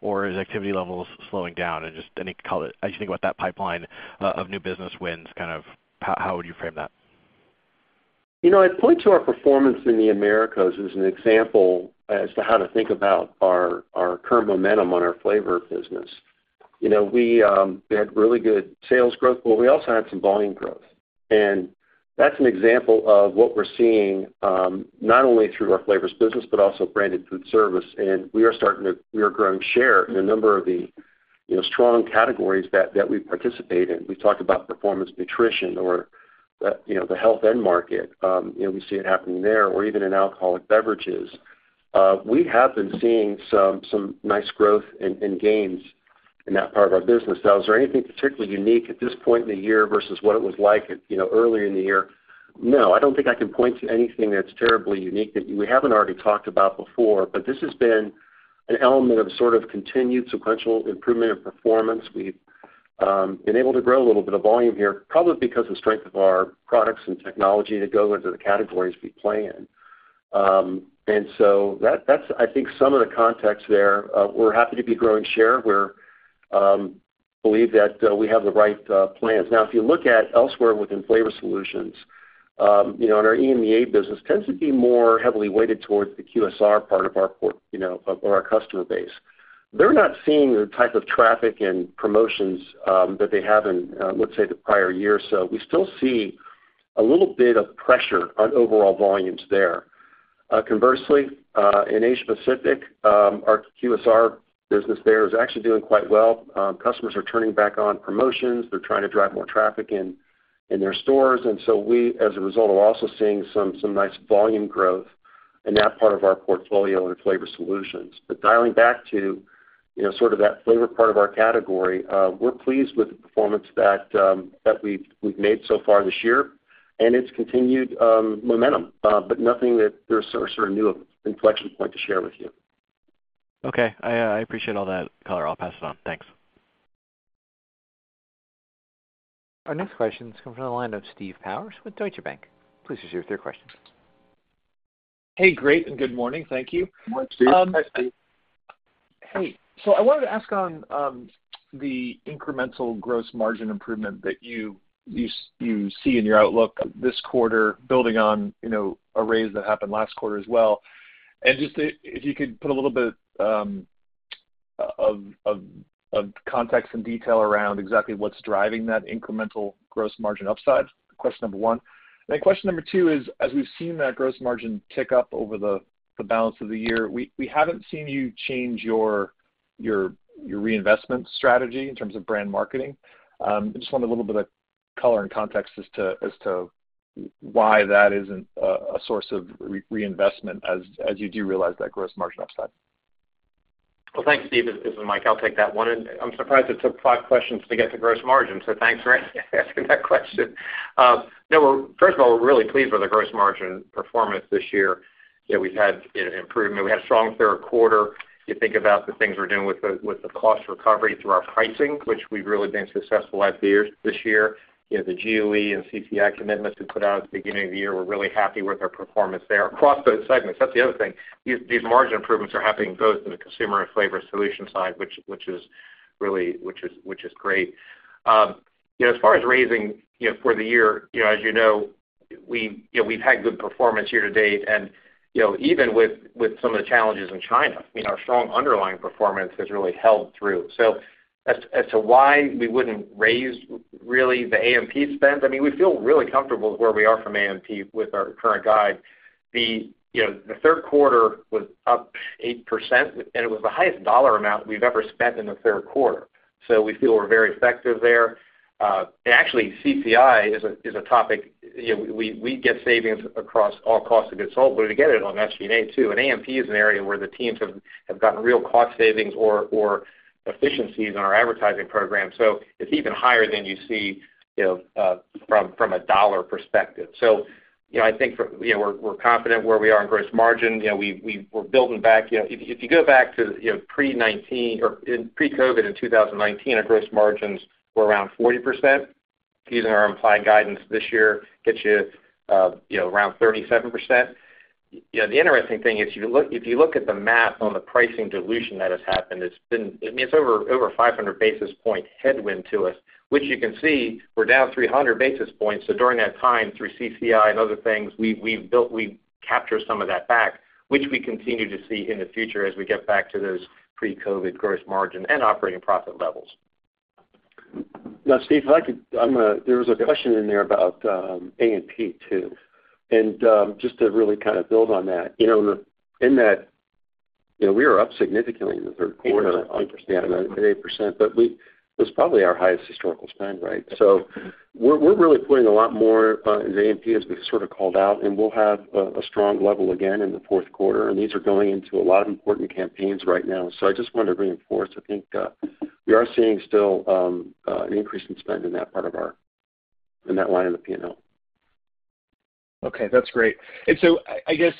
or is activity levels slowing down? And just any color as you think about that pipeline of new business wins, kind of how would you frame that? You know, I'd point to our performance in the Americas as an example as to how to think about our current momentum on our flavor business. You know, we had really good sales growth, but we also had some volume growth. That's an example of what we're seeing, not only through our flavors business, but also branded food service. We are growing share in a number of the, you know, strong categories that we participate in. We talked about performance nutrition or the, you know, health end market. You know, we see it happening there, or even in alcoholic beverages. We have been seeing some nice growth and gains in that part of our business. Now, is there anything particularly unique at this point in the year versus what it was like, you know, earlier in the year? No, I don't think I can point to anything that's terribly unique that we haven't already talked about before, but this has been an element of sort of continued sequential improvement of performance. We've been able to grow a little bit of volume here, probably because of the strength of our products and technology that go into the categories we play in. And so that, that's, I think, some of the context there. We're happy to be growing share. We're believe that we have the right plans. Now, if you look at elsewhere within Flavor Solutions-... you know, and our EMEA business tends to be more heavily weighted towards the QSR part of our portfolio, you know, of our customer base. They're not seeing the type of traffic and promotions that they have in, let's say, the prior year. So we still see a little bit of pressure on overall volumes there. Conversely, in Asia Pacific, our QSR business there is actually doing quite well. Customers are turning back on promotions. They're trying to drive more traffic in, in their stores, and so we, as a result, are also seeing some, some nice volume growth in that part of our portfolio in flavor solutions. But dialing back to, you know, sort of that flavor part of our category, we're pleased with the performance that that we've made so far this year and its continued momentum, but nothing that there's sort of new inflection point to share with you. Okay. I appreciate all that color. I'll pass it on. Thanks. Our next question comes from the line of Steve Powers with Deutsche Bank. Please proceed with your question. Hey, great, and good morning. Thank you. Good morning, Steve. Hi, Steve. Hey. So I wanted to ask on the incremental gross margin improvement that you see in your outlook this quarter, building on, you know, a raise that happened last quarter as well. And just if you could put a little bit of context and detail around exactly what's driving that incremental gross margin upside, question number one. And then question number two is, as we've seen that gross margin tick up over the balance of the year, we haven't seen you change your reinvestment strategy in terms of brand marketing. I just want a little bit of color and context as to why that isn't a source of reinvestment as you do realize that gross margin upside. Well, thanks, Steve. This is Mike. I'll take that one, and I'm surprised it took five questions to get to gross margin, so thanks for asking that question. No, well, first of all, we're really pleased with the gross margin performance this year, that we've had its improvement. We had a strong third quarter. You think about the things we're doing with the cost recovery through our pricing, which we've really been successful over the years—this year. You know, the GOE and CCI commitments we put out at the beginning of the year, we're really happy with our performance there across those segments. That's the other thing. These margin improvements are happening both in the Consumer and Flavor Solutions side, which is really great. You know, as far as raising, you know, for the year, you know, as you know, we, you know, we've had good performance year to date. And, you know, even with some of the challenges in China, I mean, our strong underlying performance has really held through. So as to why we wouldn't raise really the A&P spend, I mean, we feel really comfortable with where we are from A&P with our current guide. The, you know, the third quarter was up 8%, and it was the highest dollar amount we've ever spent in the third quarter, so we feel we're very effective there. And actually, CCI is a topic, you know, we get savings across all costs of goods sold, but we get it on SG&A, too. A&P is an area where the teams have gotten real cost savings or efficiencies on our advertising program. So it's even higher than you see, you know, from a dollar perspective. So, you know, I think for, you know, we're confident where we are in gross margin. You know, we're building back. You know, if you go back to, you know, pre-2019 or in pre-COVID in 2019, our gross margins were around 40%. Using our implied guidance this year gets you, you know, around 37%. You know, the interesting thing is, if you look at the math on the pricing dilution that has happened, it's been. I mean, it's over 500 basis point headwind to us, which you can see we're down 300 basis points. So during that time, through CCI and other things, we've captured some of that back, which we continue to see in the future as we get back to those pre-COVID gross margin and operating profit levels. Now, Steve, if I could, I'm, there was a question in there about, A&P, too. And, just to really kind of build on that, you know, in that, you know, we are up significantly in the third quarter- 8%. Yeah, at 8%, but we, it was probably our highest historical spend, right? So we're, we're really putting a lot more in A&P, as we sort of called out, and we'll have a, a strong level again in the fourth quarter, and these are going into a lot of important campaigns right now. So I just wanted to reinforce, I think, we are seeing still an increase in spend in that part of our, in that line of the P&L. Okay, that's great. So I guess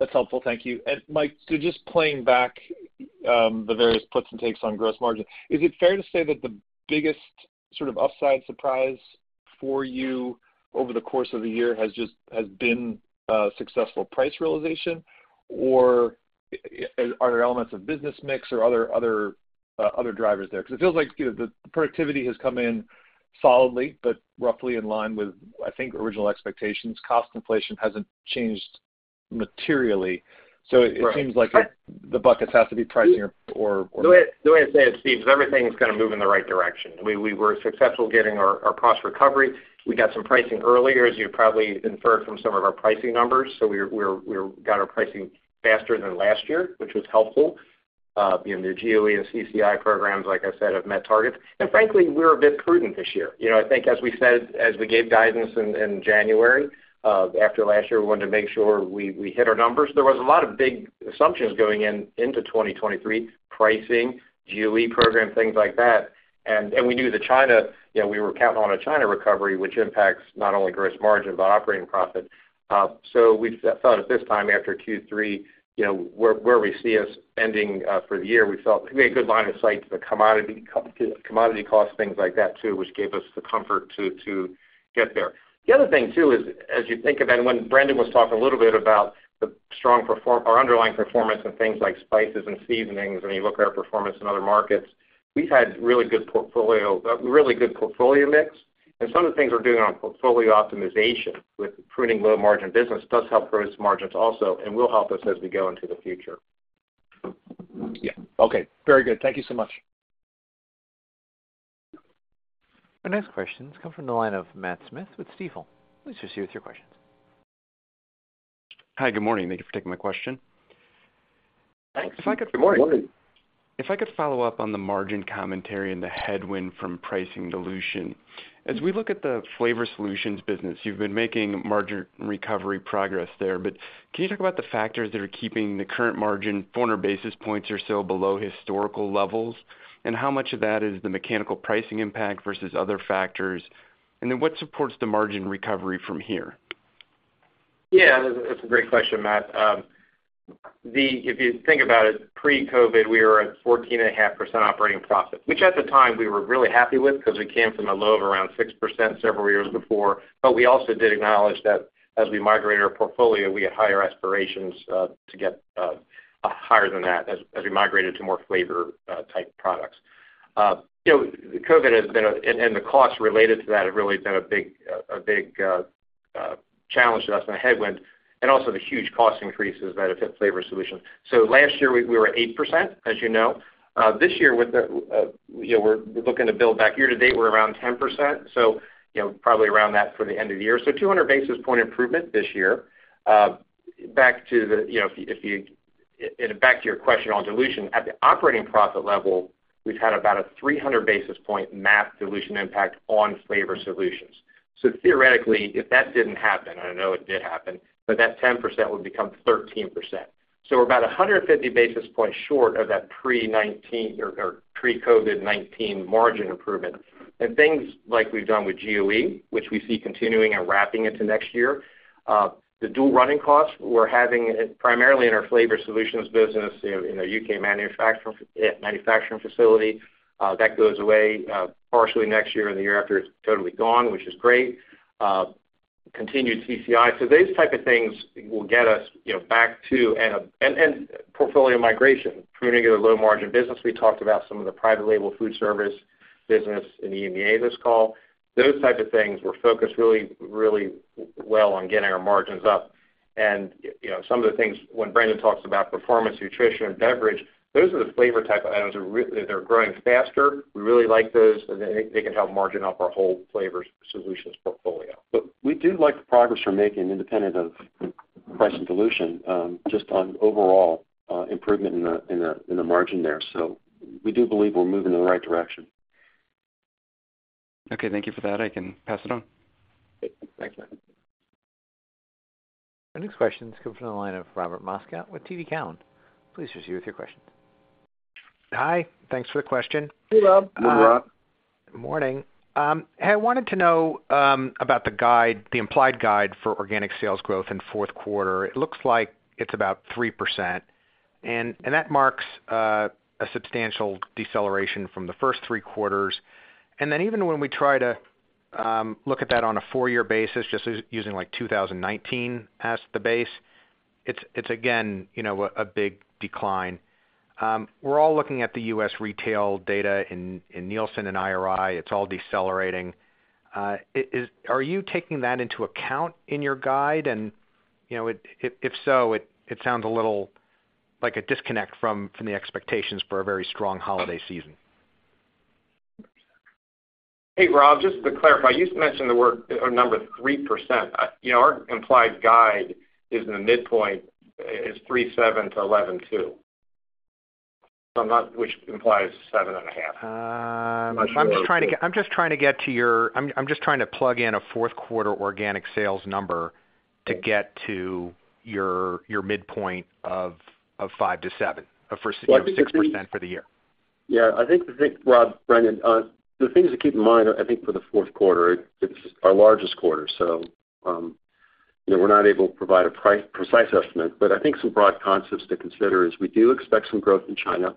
that's helpful. Thank you. And Mike, so just playing back the various puts and takes on gross margin, is it fair to say that the biggest sort of upside surprise for you over the course of the year has been successful price realization? Or are there elements of business mix or other drivers there? Because it feels like, you know, the productivity has come in solidly, but roughly in line with, I think, original expectations. Cost inflation hasn't changed materially. Right. It seems like the buckets has to be pricing or The way I'd say it, Steve, is everything is gonna move in the right direction. We were successful getting our cost recovery. We got some pricing earlier, as you probably inferred from some of our pricing numbers, so we're got our pricing faster than last year, which was helpful. You know, the GOE and CCI programs, like I said, have met targets. And frankly, we're a bit prudent this year. You know, I think as we said, as we gave guidance in January, after last year, we wanted to make sure we hit our numbers. There was a lot of big assumptions going into 2023, pricing, GOE program, things like that. And we knew that China, you know, we were counting on a China recovery, which impacts not only gross margin, but operating profit. So we thought at this time, after Q3, you know, where we see us ending for the year, we felt we had a good line of sight to the commodity costs, things like that, too, which gave us the comfort to get there. The other thing, too, is as you think about it, when Brendan was talking a little bit about the strong performance, our underlying performance and things like spices and seasonings, and you look at our performance in other markets, we've had really good portfolio, really good portfolio mix. And some of the things we're doing on portfolio optimization with pruning low-margin business does help gross margins also, and will help us as we go into the future. Yeah. Okay. Very good. Thank you so much. Our next question comes from the line of Matt Smith with Stifel. Please proceed with your questions. Hi, good morning. Thank you for taking my question. Thanks. Good morning. If I could follow up on the margin commentary and the headwind from pricing dilution. As we look at the Flavor Solutions business, you've been making margin recovery progress there, but can you talk about the factors that are keeping the current margin 400 basis points or so below historical levels? And how much of that is the mechanical pricing impact versus other factors? And then what supports the margin recovery from here? Yeah, that's a great question, Matt. The if you think about it, pre-COVID, we were at 14.5% operating profit, which at the time, we were really happy with because it came from a low of around 6% several years before. But we also did acknowledge that as we migrate our portfolio, we had higher aspirations to get higher than that as we migrated to more flavor type products. You know, COVID has been a and the costs related to that have really been a big, a big challenge to us and a headwind, and also the huge cost increases that affect Flavor Solutions. So last year, we were at 8%, as you know. This year, with the you know, we're looking to build back. Year to date, we're around 10%, so, you know, probably around that for the end of the year. So 200 basis point improvement this year. Back to the... You know, if you, if you and back to your question on dilution, at the operating profit level, we've had about a 300 basis point math dilution impact on Flavor Solutions. So theoretically, if that didn't happen, and I know it did happen, but that 10% would become 13%. So we're about 150 basis points short of that pre-2019 or pre-COVID-19 margin improvement. Things like we've done with GOE, which we see continuing and wrapping into next year, the dual running costs we're having primarily in our Flavor Solutions business, in our UK manufacturing facility, that goes away partially next year, and the year after, it's totally gone, which is great. Continued TCI. So these type of things will get us, you know, back to... And portfolio migration, pruning a low margin business. We talked about some of the private label food service business in EMEA this call. Those types of things were focused really, really well on getting our margins up. And, you know, some of the things, when Brandon talks about performance, nutrition, and beverage, those are the flavor type of items that are they're growing faster. We really like those, and they, they can help margin up our whole Flavor Solutions portfolio. But we do like the progress we're making independent of price and dilution, just on overall improvement in the margin there. So we do believe we're moving in the right direction. Okay, thank you for that. I can pass it on. Thanks, Matt. Our next question comes from the line of Robert Moskow with TD Cowen. Please proceed with your questions. Hi, thanks for the question. Hey, Rob. Hey, Rob. Morning. I wanted to know about the guide, the implied guide for organic sales growth in fourth quarter. It looks like it's about 3%, and that marks a substantial deceleration from the first three quarters. And then even when we try to look at that on a four-year basis, just using, like, 2019 as the base, it's again, you know, a big decline. We're all looking at the U.S. retail data in Nielsen and IRI; it's all decelerating. Is, are you taking that into account in your guide? And, you know, if so, it sounds a little like a disconnect from the expectations for a very strong holiday season. Hey, Rob, just to clarify, you mentioned the word or number 3%. You know, our implied guide is in the midpoint, is 3.7%-11.2%. So I'm not, which implies 7.5%. I'm just trying to get to your... I'm just trying to plug in a fourth quarter organic sales number to get to your midpoint of 5%-7% for 6% for the year. Yeah, I think, Rob, Brendan, the things to keep in mind, I think for the fourth quarter, it's our largest quarter, so, you know, we're not able to provide a precise estimate. But I think some broad concepts to consider is we do expect some growth in China,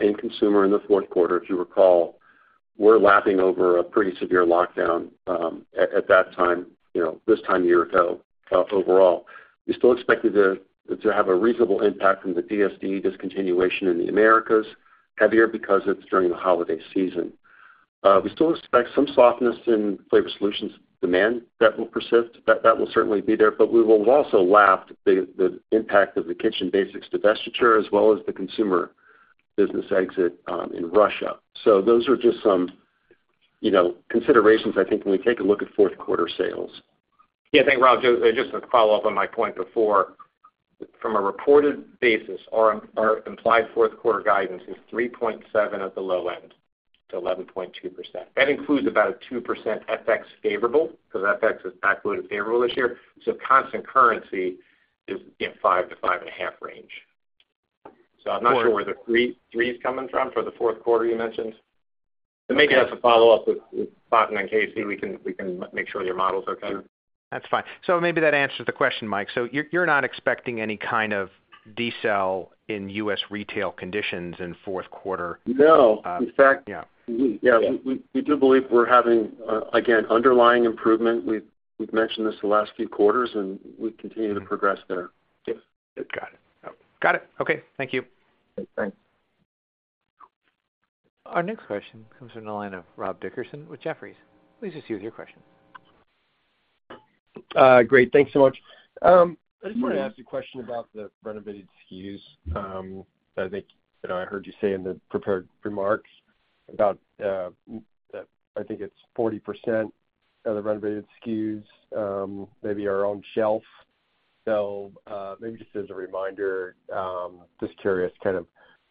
in consumer in the fourth quarter. If you recall, we're lapping over a pretty severe lockdown, at that time, you know, this time year ago, overall. We still expected it to have a reasonable impact from the DSD discontinuation in the Americas, heavier because it's during the holiday season. We still expect some softness in Flavor Solutions demand that will persist, that will certainly be there, but we will have also lapped the impact of the Kitchen Basics divestiture, as well as the consumer business exit, in Russia. Those are just some, you know, considerations, I think, when we take a look at fourth quarter sales. Yeah, thanks, Rob. Just, just to follow up on my point before, from a reported basis, our, our implied fourth quarter guidance is 3.7% at the low end to 11.2%. That includes about a 2% FX favorable, because FX is backloaded favorable this year. So constant currency is in 5%-5.5% range. So I'm not sure where the 3% is coming from for the fourth quarter you mentioned. But maybe you have to follow up with, with [inaudible] and then Kasey, we can, we can make sure your model's okay. That's fine. So maybe that answers the question, Mike. So you're not expecting any kind of decel in U.S. retail conditions in fourth quarter? No. In fact- Yeah. Yeah. We do believe we're having again underlying improvement. We've mentioned this the last few quarters, and we continue to progress there. Yes. Got it. Got it. Okay, thank you. Thanks.... Our next question comes from the line of Rob Dickerson with Jefferies. Please proceed with your question. Great, thanks so much. I just wanted to ask you a question about the renovated SKUs. I think, you know, I heard you say in the prepared remarks about that I think it's 40% of the renovated SKUs maybe are on shelf. So, maybe just as a reminder, just curious, kind of,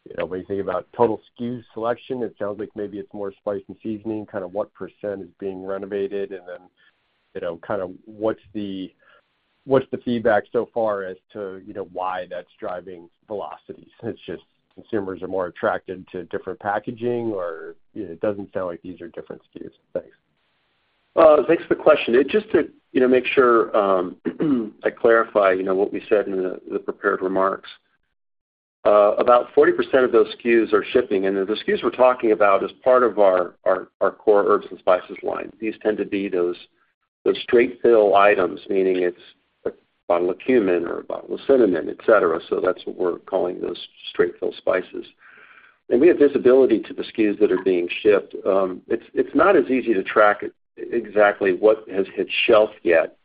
you know, when you think about total SKU selection, it sounds like maybe it's more spice and seasoning, kind of what percent is being renovated, and then, you know, kind of what's the, what's the feedback so far as to, you know, why that's driving velocities? It's just consumers are more attracted to different packaging, or, you know, it doesn't sound like these are different SKUs. Thanks. Well, thanks for the question. Just to, you know, make sure, I clarify, you know, what we said in the prepared remarks. About 40% of those SKUs are shipping, and the SKUs we're talking about is part of our core herbs and spices line. These tend to be those straight fill items, meaning it's a bottle of cumin or a bottle of cinnamon, et cetera. So that's what we're calling those straight fill spices. And we have visibility to the SKUs that are being shipped. It's not as easy to track exactly what has hit shelf yet.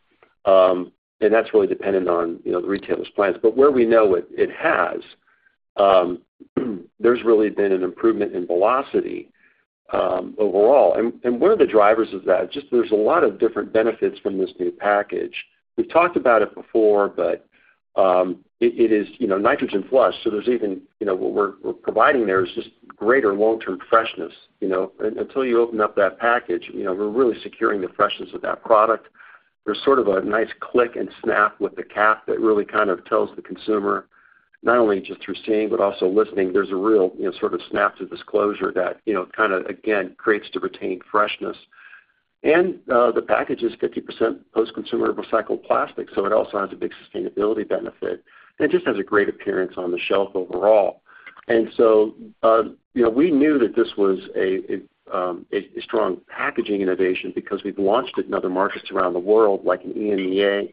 And that's really dependent on, you know, the retailer's plans. But where we know it has, there's really been an improvement in velocity overall. One of the drivers of that, just there's a lot of different benefits from this new package. We've talked about it before, but it is, you know, nitrogen flushed, so there's even, you know, what we're providing there is just greater long-term freshness. You know, until you open up that package, you know, we're really securing the freshness of that product. There's sort of a nice click and snap with the cap that really kind of tells the consumer, not only just through seeing, but also listening. There's a real, you know, sort of snap to this closure that, you know, kind of, again, creates to retain freshness. And the package is 50% post-consumer recycled plastic, so it also has a big sustainability benefit. And it just has a great appearance on the shelf overall. And so, you know, we knew that this was a strong packaging innovation because we've launched it in other markets around the world, like in EMEA,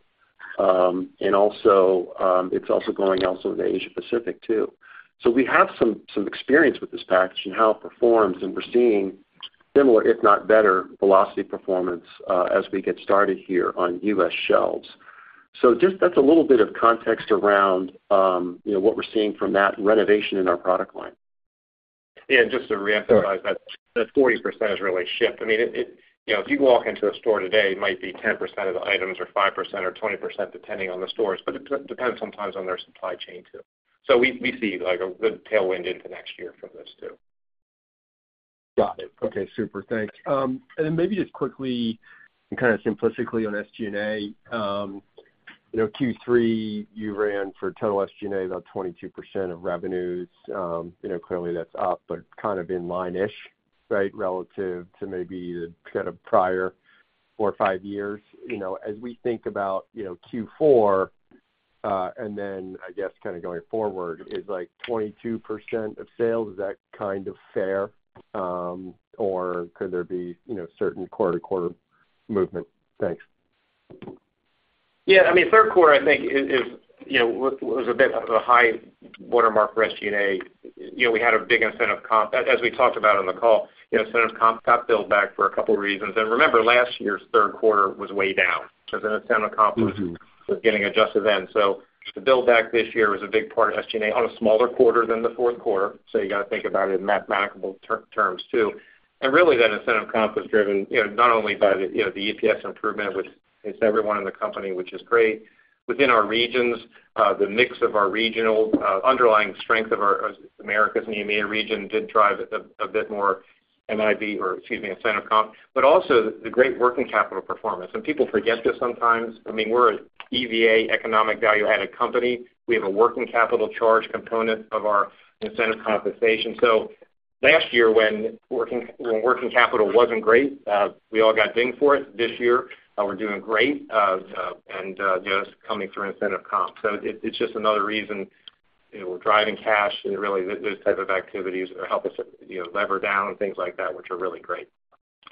and also, it's also going in Asia Pacific, too. So we have some experience with this package and how it performs, and we're seeing similar, if not better, velocity performance, as we get started here on US shelves. So just, that's a little bit of context around, you know, what we're seeing from that renovation in our product line. Yeah, and just to reemphasize that, that 40% has really shipped. I mean, it, you know, if you walk into a store today, it might be 10% of the items, or 5%, or 20%, depending on the stores, but it depends sometimes on their supply chain, too. So we see, like, a good tailwind into next year from this, too. Got it. Okay, super. Thanks. And then maybe just quickly, and kind of simplistically on SG&A, you know, Q3, you ran for total SG&A, about 22% of revenues. You know, clearly, that's up, but kind of in line-ish, right, relative to maybe the kind of prior 4 or 5 years. You know, as we think about, you know, Q4, and then, I guess, kind of going forward, is like 22% of sales, is that kind of fair, or could there be, you know, certain quarter-to-quarter movement? Thanks. Yeah, I mean, third quarter, I think, you know, was a bit of a high watermark for SG&A. You know, we had a big incentive comp, as we talked about on the call, you know, incentive comp got billed back for a couple of reasons. And remember, last year's third quarter was way down because incentive comp was- Mm-hmm. was getting adjusted then. So the buildback this year was a big part of SG&A on a smaller quarter than the fourth quarter, so you gotta think about it in mathematical terms, too. And really, that incentive comp was driven, you know, not only by the, you know, the EPS improvement, which is everyone in the company, which is great. Within our regions, the mix of our regional, underlying strength of our, Americas and EMEA region did drive a, a bit more NIB or, excuse me, incentive comp, but also the, the great working capital performance. And people forget this sometimes, I mean, we're an EVA economic value-added company. We have a working capital charge component of our incentive compensation. So last year, when working capital wasn't great, we all got dinged for it. This year, we're doing great, and you know, it's coming through incentive comp. So it's just another reason, you know, we're driving cash, and really, those type of activities help us, you know, lever down and things like that, which are really great.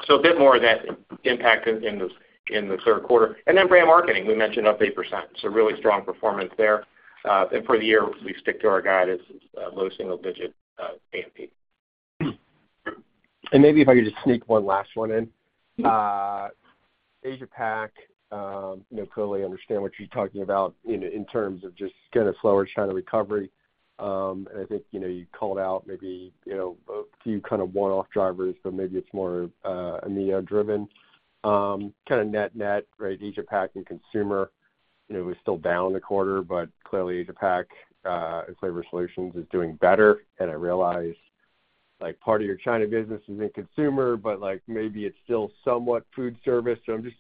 So a bit more of that impact in the third quarter. And then brand marketing, we mentioned, up 8%, so really strong performance there. And for the year, we stick to our guidance, low single digit A&P. Maybe if I could just sneak one last one in. Asia Pac, you know, clearly understand what you're talking about in terms of just kind of slower China recovery. I think, you know, you called out maybe, you know, a few kind of one-off drivers, but maybe it's more, EMEA driven. Kind of net-net, right, Asia Pac and consumer, you know, was still down the quarter, but clearly Asia Pac, Flavor Solutions is doing better. I realize, like, part of your China business is in consumer, but like, maybe it's still somewhat food service. So I'm just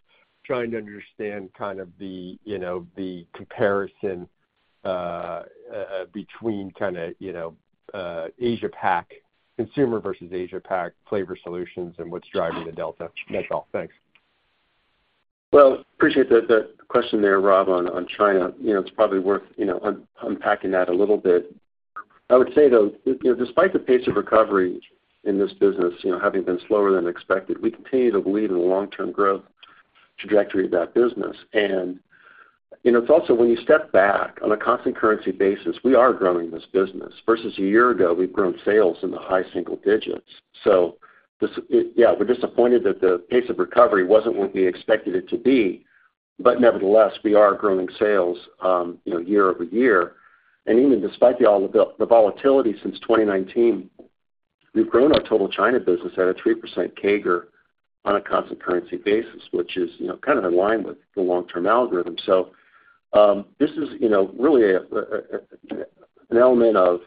trying to understand kind of the, you know, the comparison, between kind of, you know, Asia Pac, consumer versus Asia Pac Flavor Solutions and what's driving the delta. That's all. Thanks. Well, appreciate that question there, Rob, on China. You know, it's probably worth, you know, unpacking that a little bit. I would say, though, you know, despite the pace of recovery in this business, you know, having been slower than expected, we continue to believe in the long-term growth trajectory of that business. You know, it's also when you step back on a constant currency basis, we are growing this business. Versus a year ago, we've grown sales in the high single digits. So, yeah, we're disappointed that the pace of recovery wasn't what we expected it to be, but nevertheless, we are growing sales, you know, year-over-year. Even despite the volatility since 2019, we've grown our total China business at a 3% CAGR on a constant currency basis, which is, you know, kind of in line with the long-term algorithm. This is, you know, really an element of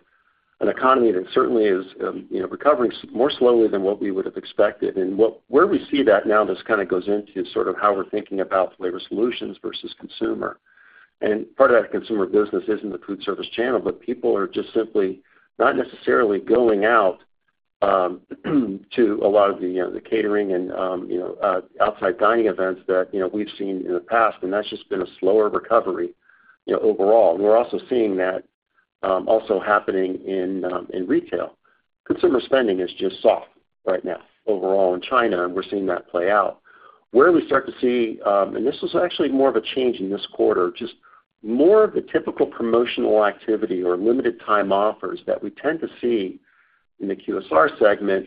an economy that certainly is, you know, recovering more slowly than what we would have expected. And where we see that now, this kind of goes into sort of how we're thinking about flavor solutions versus consumer. And part of that consumer business is in the food service channel, but people are just simply not necessarily going out to a lot of the, you know, the catering and, you know, outside dining events that, you know, we've seen in the past, and that's just been a slower recovery, you know, overall. We're also seeing that also happening in retail. Consumer spending is just soft right now overall in China, and we're seeing that play out. Where we start to see, and this was actually more of a change in this quarter, just more of the typical promotional activity or limited time offers that we tend to see in the QSR segment,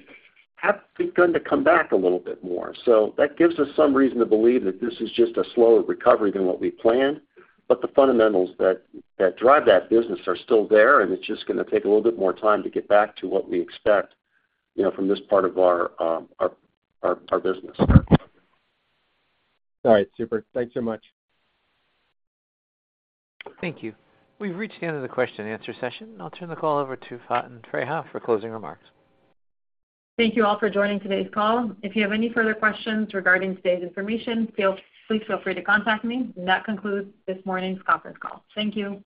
have begun to come back a little bit more. So that gives us some reason to believe that this is just a slower recovery than what we planned. But the fundamentals that drive that business are still there, and it's just gonna take a little bit more time to get back to what we expect, you know, from this part of our business. All right. Super. Thanks so much. Thank you. We've reached the end of the question and answer session. I'll turn the call over to Faten Freiha for closing remarks. Thank you all for joining today's call. If you have any further questions regarding today's information, please feel free to contact me. That concludes this morning's conference call. Thank you.